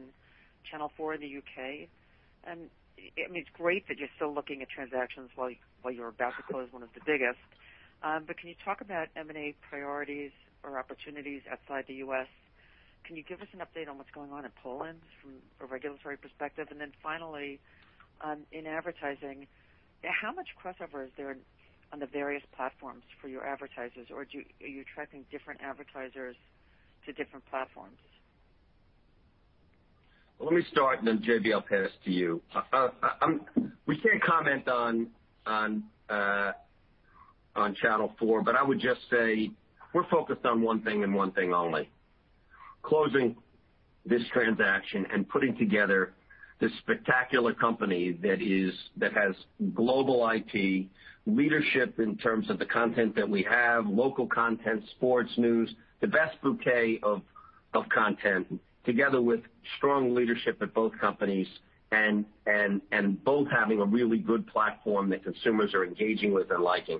Channel 4 in the U.K. It's great that you're still looking at transactions while you're about to close one of the biggest. Can you talk about M&A priorities or opportunities outside the U.S.? Can you give us an update on what's going on in Poland from a regulatory perspective? Finally, in advertising, how much crossover is there on the various platforms for your advertisers, or are you attracting different advertisers to different platforms? Let me start, and then J.B., I'll pass to you. We can't comment on Channel 4. I would just say we're focused on one thing and one thing only: closing this transaction and putting together this spectacular company that has global IP leadership in terms of the content that we have, local content, sports, news, the best bouquet of content together with strong leadership at both companies and both having a really good platform that consumers are engaging with and liking.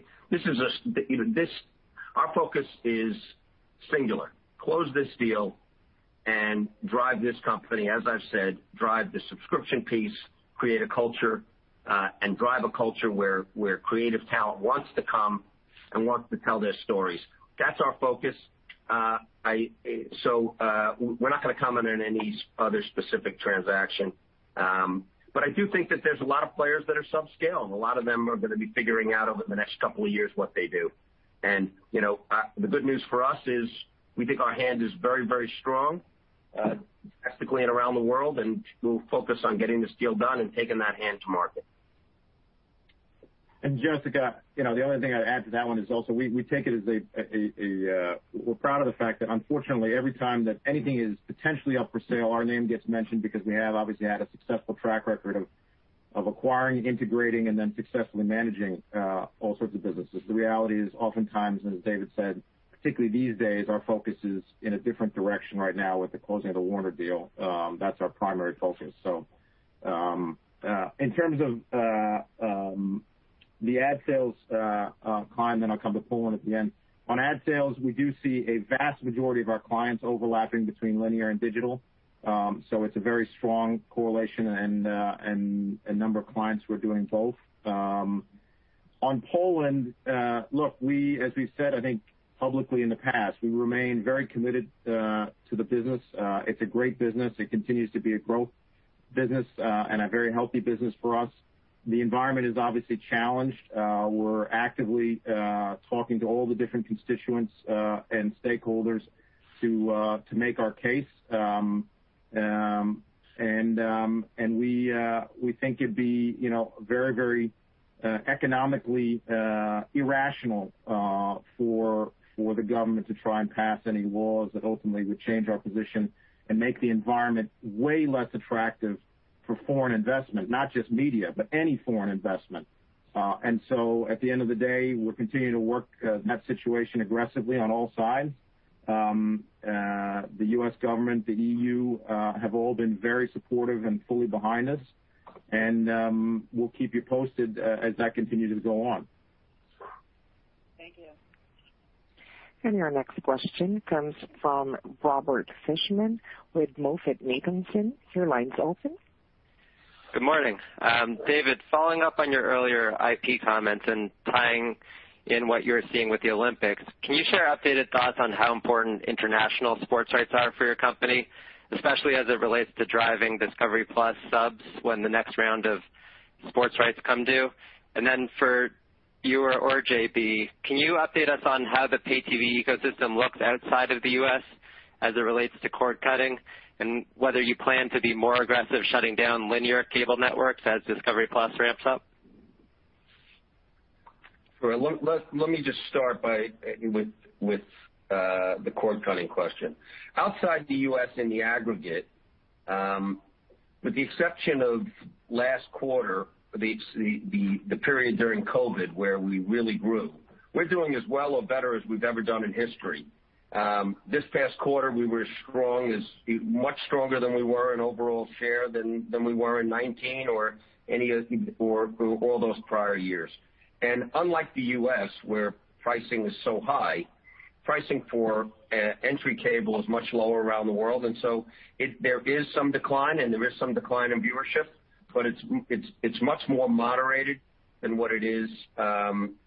Our focus is singular. Close this deal and drive this company, as I've said, drive the subscription piece, create a culture, and drive a culture where creative talent wants to come and wants to tell their stories. That's our focus. We're not going to comment on any other specific transaction. I do think that there's a lot of players that are subscale, and a lot of them are going to be figuring out over the next couple of years what they do. The good news for us is we think our hand is very strong domestically and around the world, and we'll focus on getting this deal done and taking that hand to market. Jessica, the only thing I'd add to that one is also we're proud of the fact that unfortunately every time that anything is potentially up for sale, our name gets mentioned because we have obviously had a successful track record of acquiring, integrating, and then successfully managing all sorts of businesses. The reality is oftentimes, as David said, particularly these days, our focus is in a different direction right now with the closing of the Warner deal. That's our primary focus. In terms of the ad sales climb, then I'll come to Poland at the end. On ad sales, we do see a vast majority of our clients overlapping between linear and digital. It's a very strong correlation and a number of clients who are doing both. On Poland, look, as we've said, I think publicly in the past, we remain very committed to the business. It's a great business. It continues to be a growth business, and a very healthy business for us. The environment is obviously challenged. We're actively talking to all the different constituents, and stakeholders to make our case. We think it'd be very economically irrational for the government to try and pass any laws that ultimately would change our position and make the environment way less attractive for foreign investment, not just media, but any foreign investment. At the end of the day, we're continuing to work that situation aggressively on all sides. The U.S. government, the EU, have all been very supportive and fully behind us. We'll keep you posted as that continues to go on. Thank you. Your next question comes from Robert Fishman with MoffettNathanson. Your line's open. Good morning. David, following up on your earlier IP comments and tying in what you're seeing with the Olympics, can you share updated thoughts on how important international sports rights are for your company, especially as it relates to driving discovery+ subs when the next round of sports rights come due? For you or J.B., can you update us on how the pay TV ecosystem looks outside of the U.S. as it relates to cord cutting and whether you plan to be more aggressive shutting down linear cable networks as discovery+ ramps up? Sure. Let me just start with the cord-cutting question. Outside the U.S. in the aggregate, with the exception of last quarter, the period during COVID where we really grew, we're doing as well or better as we've ever done in history. This past quarter, we were much stronger than we were in overall share than we were in 2019 or any of all those prior years. Unlike the U.S., where pricing is so high, pricing for entry cable is much lower around the world, and so there is some decline, and there is some decline in viewership, but it's much more moderated than what it is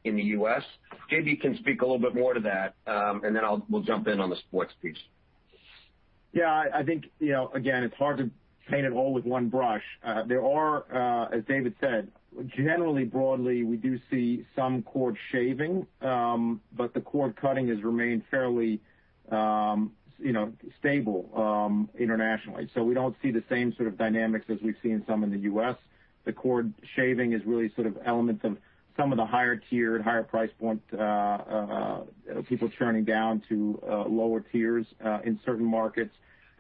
in the U.S. J.B. can speak a little bit more to that. Then we'll jump in on the sports piece. Yeah, I think, again, it's hard to paint it all with one brush. There are, as David said, generally broadly, we do see some cord shaving, but the cord cutting has remained fairly stable internationally. We don't see the same sort of dynamics as we've seen some in the U.S. the cord shaving is really sort of elements of some of the higher tier and higher price point people churning down to lower tiers in certain markets.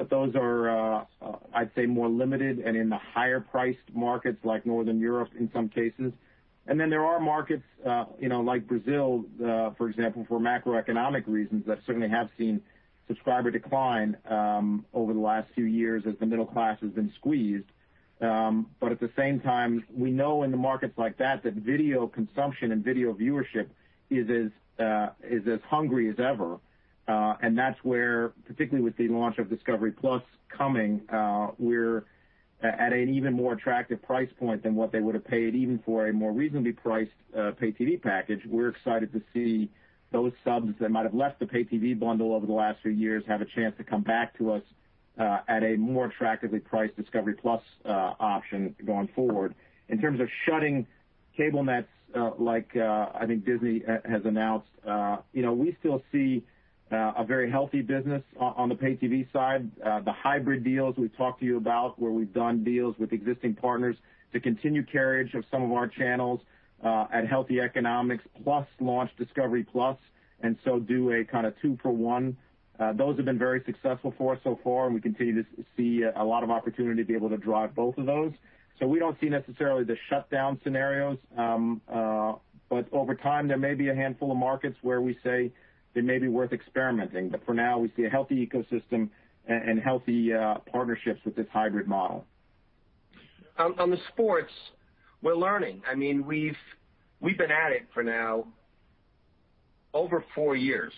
Those are, I'd say, more limited and in the higher priced markets like Northern Europe in some cases. There are markets like Brazil, for example, for macroeconomic reasons that certainly have seen subscriber decline over the last few years as the middle class has been squeezed. At the same time, we know in the markets like that video consumption and video viewership is as hungry as ever. That's where, particularly with the launch of discovery+ coming, we're at an even more attractive price point than what they would have paid even for a more reasonably priced pay TV package. We're excited to see those subs that might have left the pay TV bundle over the last few years have a chance to come back to us at a more attractively priced discovery+ option going forward. In terms of shutting cable nets like I think Disney has announced. We still see a very healthy business on the pay TV side. The hybrid deals we've talked to you about, where we've done deals with existing partners to continue carriage of some of our channels at healthy economics plus launch discovery+, do a kind of two for one. Those have been very successful for us so far, and we continue to see a lot of opportunity to be able to drive both of those. We don't see necessarily the shutdown scenarios. Over time, there may be a handful of markets where we say it may be worth experimenting. For now, we see a healthy ecosystem and healthy partnerships with this hybrid model. On the sports, we're learning. We've been at it for now over four years.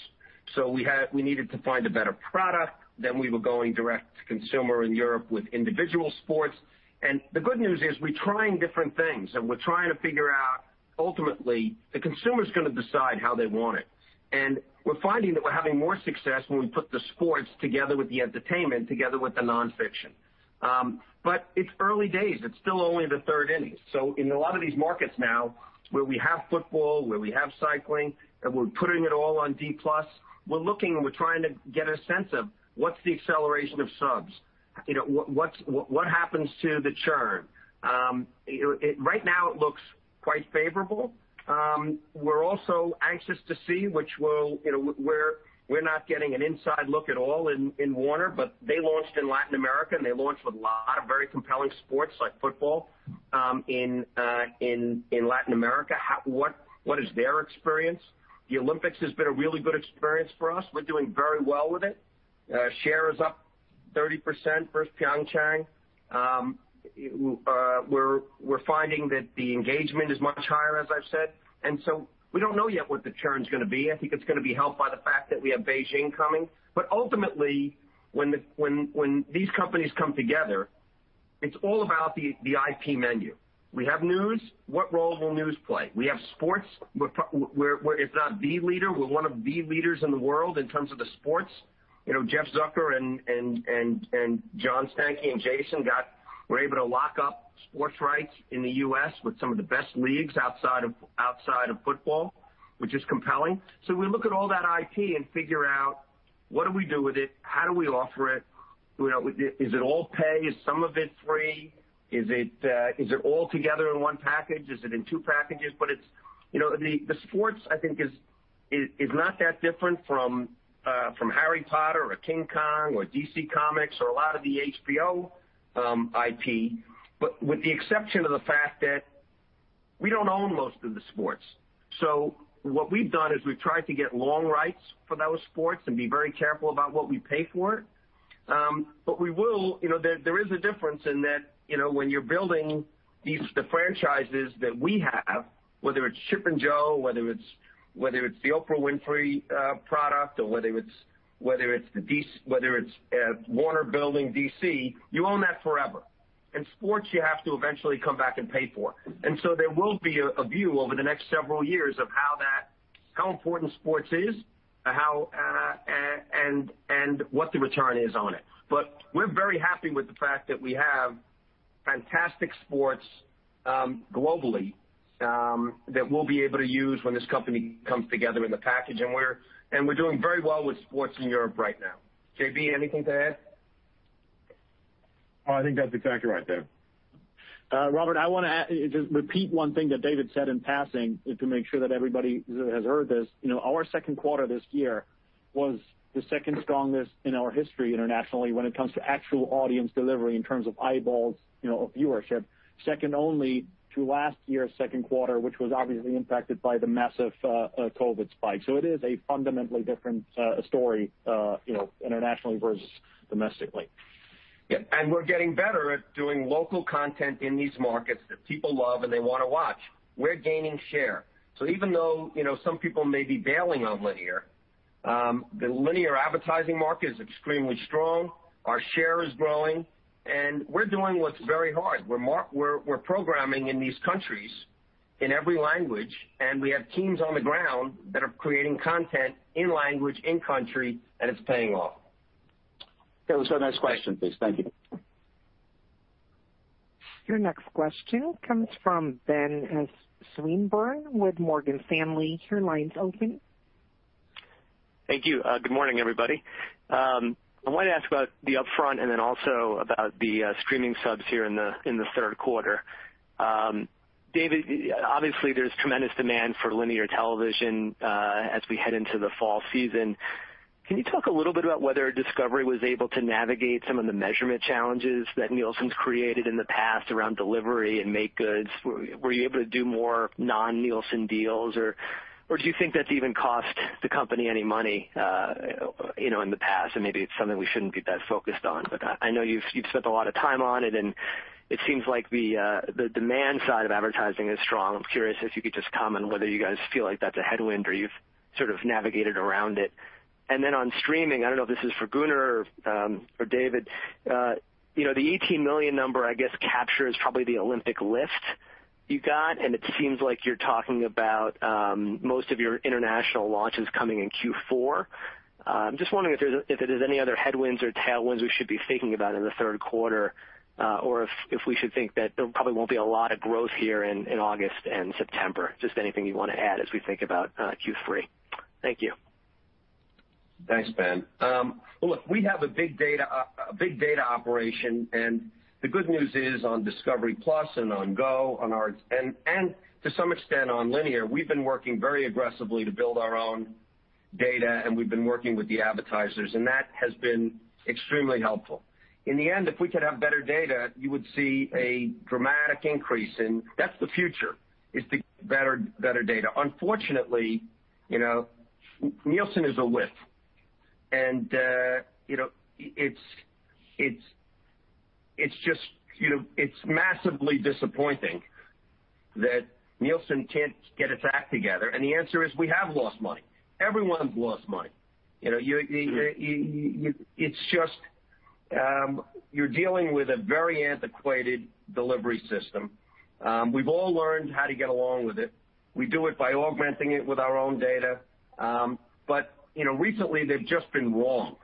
We needed to find a better product. We were going direct-to-consumer in Europe with individual sports. The good news is we're trying different things, and we're trying to figure out, ultimately, the consumer's going to decide how they want it. We're finding that we're having more success when we put the sports together with the entertainment together with the nonfiction. It's early days. It's still only the third inning. In a lot of these markets now where we have football, where we have cycling, and we're putting it all on d+. We're looking and we're trying to get a sense of what's the acceleration of subs. What happens to the churn? Right now it looks quite favorable. We're also anxious to see, we're not getting an inside look at all in Warner, they launched in Latin America, and they launched with a lot of very compelling sports like football in Latin America. What is their experience? The Olympics has been a really good experience for us. We're doing very well with it. Share is up 30% versus Pyeongchang. We're finding that the engagement is much higher, as I've said. We don't know yet what the churn's going to be. I think it's going to be helped by the fact that we have Beijing coming. Ultimately, when these companies come together, it's all about the IP menu. We have news. What role will news play? We have sports. If not the leader, we're one of the leaders in the world in terms of the sports. Jeff Zucker and John Stankey and Jason were able to lock up sports rights in the U.S. with some of the best leagues outside of football, which is compelling. We look at all that IP and figure out what do we do with it? How do we offer it? Is it all pay? Is some of it free? Is it all together in one package? Is it in two packages? The sports, I think is not that different from Harry Potter or King Kong or DC Comics or a lot of the HBO IP. With the exception of the fact that we don't own most of the sports. What we've done is we've tried to get long rights for those sports and be very careful about what we pay for. There is a difference in that when you're building the franchises that we have, whether it's Chip and Jo, whether it's the Oprah Winfrey product, or whether it's Warner building DC, you own that forever. Sports, you have to eventually come back and pay for. There will be a view over the next several years of how important sports is and what the return is on it. We're very happy with the fact that we have fantastic sports globally that we'll be able to use when this company comes together in the package and we're doing very well with sports in Europe right now. J.B., anything to add? I think that's exactly right, Dave. Robert, I want to just repeat one thing that David said in passing to make sure that everybody has heard this. Our second quarter this year was the second strongest in our history internationally when it comes to actual audience delivery in terms of eyeballs, of viewership, second only to last year's second quarter, which was obviously impacted by the massive COVID spike. It is a fundamentally different story internationally versus domestically. Yep. We're getting better at doing local content in these markets that people love and they want to watch. We're gaining share. Even though some people may be bailing on linear, the linear advertising market is extremely strong. Our share is growing, and we're doing what's very hard. We're programming in these countries in every language, and we have teams on the ground that are creating content in language, in country, and it's paying off. Okay, let's go next question, please. Thank you. Your next question comes from Ben Swinburne with Morgan Stanley. Your line's open. Thank you. Good morning, everybody. I wanted to ask about the upfront and then also about the streaming subs here in the third quarter. David, obviously there's tremendous demand for linear television as we head into the fall season. Can you talk a little bit about whether Discovery was able to navigate some of the measurement challenges that Nielsen's created in the past around delivery and makegoods? Were you able to do more non-Nielsen deals, or do you think that's even cost the company any money in the past and maybe it's something we shouldn't be that focused on? I know you've spent a lot of time on it, and it seems like the demand side of advertising is strong. I'm curious if you could just comment whether you guys feel like that's a headwind or you've sort of navigated around it. On streaming, I don't know if this is for Gunnar or David. The 18 million number, I guess captures probably the Olympic lift you got, and it seems like you're talking about most of your international launches coming in Q4. I'm just wondering if there is any other headwinds or tailwinds we should be thinking about in the third quarter, or if we should think that there probably won't be a lot of growth here in August and September. Just anything you want to add as we think about Q3. Thank you. Thanks, Ben. Look, we have a big data operation, and the good news is on discovery+ and on GO, and to some extent on linear, we've been working very aggressively to build our own data, and we've been working with the advertisers. That has been extremely helpful. In the end, if we could have better data, you would see a dramatic increase and that's the future, is the better data. Unfortunately, Nielsen is a whiff. It's massively disappointing that Nielsen can't get its act together. The answer is we have lost money. Everyone's lost money. You're dealing with a very antiquated delivery system. We've all learned how to get along with it. We do it by augmenting it with our own data. Recently they've just been wrong.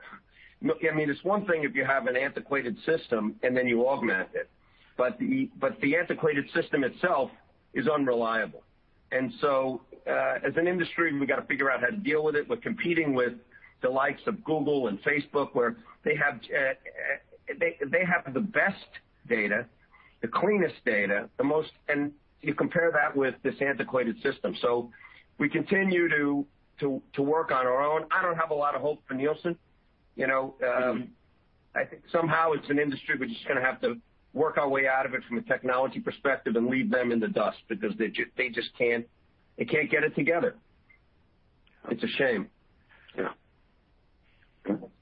Look, it's one thing if you have an antiquated system and then you augment it, but the antiquated system itself is unreliable. As an industry, we've got to figure out how to deal with it. We're competing with the likes of Google and Facebook, where they have the best data, the cleanest data, and you compare that with this antiquated system. We continue to work on our own. I don't have a lot of hope for Nielsen. I think somehow it's an industry we're just going to have to work our way out of it from a technology perspective and leave them in the dust because they can't get it together. It's a shame. Yeah.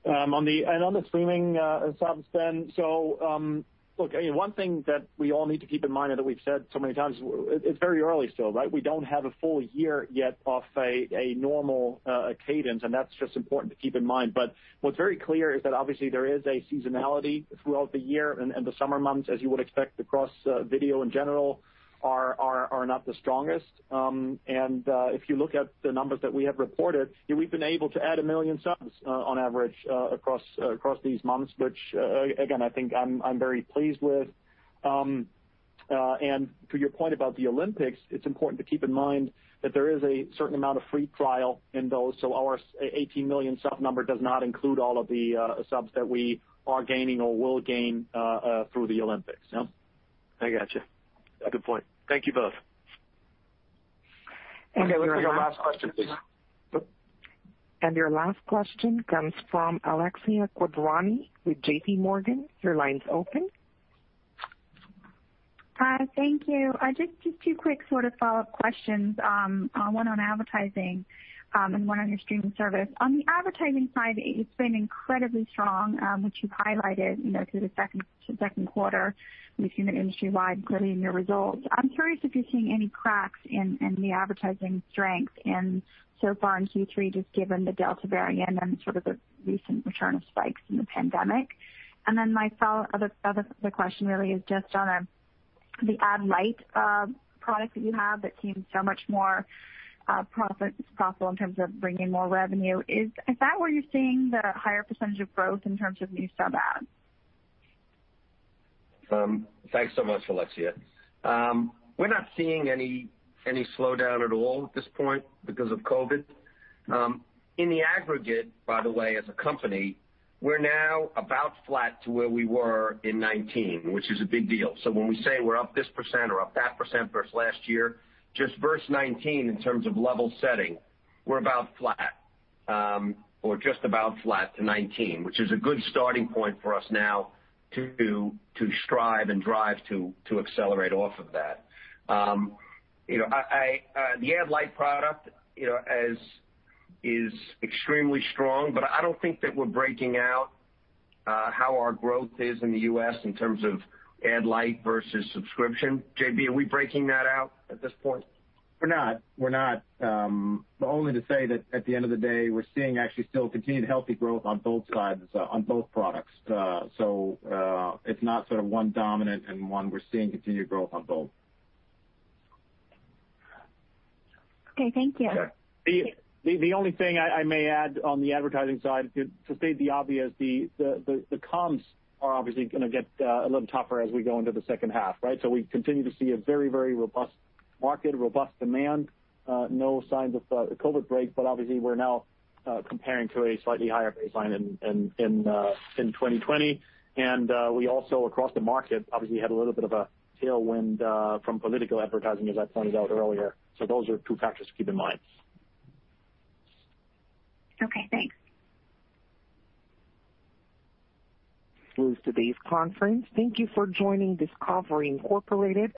On the streaming subs, Ben, look, one thing that we all need to keep in mind and that we've said so many times, it's very early still, right? We don't have a full year yet of a normal cadence, and that's just important to keep in mind. What's very clear is that obviously there is a seasonality throughout the year and the summer months, as you would expect across video in general, are not the strongest. If you look at the numbers that we have reported, we've been able to add a million subs on average across these months, which again, I think I'm very pleased with. To your point about the Olympics, it's important to keep in mind that there is a certain amount of free trial in those. Our 18 million sub number does not include all of the subs that we are gaining or will gain through the Olympics. I got you. Good point. Thank you both. Your last question comes from Alexia Quadrani with JPMorgan. Your line's open. Hi. Thank you. Just two quick sort of follow-up questions. One on advertising and one on your streaming service. On the advertising side, it's been incredibly strong, which you've highlighted through the second quarter. We've seen it industry-wide and clearly in your results. I'm curious if you're seeing any cracks in the advertising strength so far in Q3, just given the Delta variant and sort of the recent return of spikes in the pandemic. My other question really is just on the Ad-Lite product that you have that seems so much more profitable in terms of bringing more revenue. Is that where you're seeing the higher percentage of growth in terms of new sub adds? Thanks so much, Alexia. We're not seeing any slowdown at all at this point because of COVID. In the aggregate, by the way, as a company, we're now about flat to where we were in 2019, which is a big deal. When we say we're up this percent or up that percent versus last year, just versus 2019 in terms of level setting, we're about flat or just about flat to 2019, which is a good starting point for us now to strive and drive to accelerate off of that. The Ad-Lite product is extremely strong. I don't think that we're breaking out how our growth is in the U.S. in terms of Ad-Lite versus subscription. J.B., are we breaking that out at this point? We're not. Only to say that at the end of the day, we're seeing actually still continued healthy growth on both sides, on both products. It's not sort of one dominant and one. We're seeing continued growth on both. Okay. Thank you. The only thing I may add on the advertising side, to state the obvious, the comms are obviously going to get a little tougher as we go into the second half, right? We continue to see a very robust market, robust demand, no signs of COVID break, but obviously we're now comparing to a slightly higher baseline in 2020. We also, across the market, obviously had a little bit of a tailwind from political advertising, as I pointed out earlier. Those are two factors to keep in mind. Okay, thanks. This concludes today's conference. Thank you for joining Discovery, Incorporated.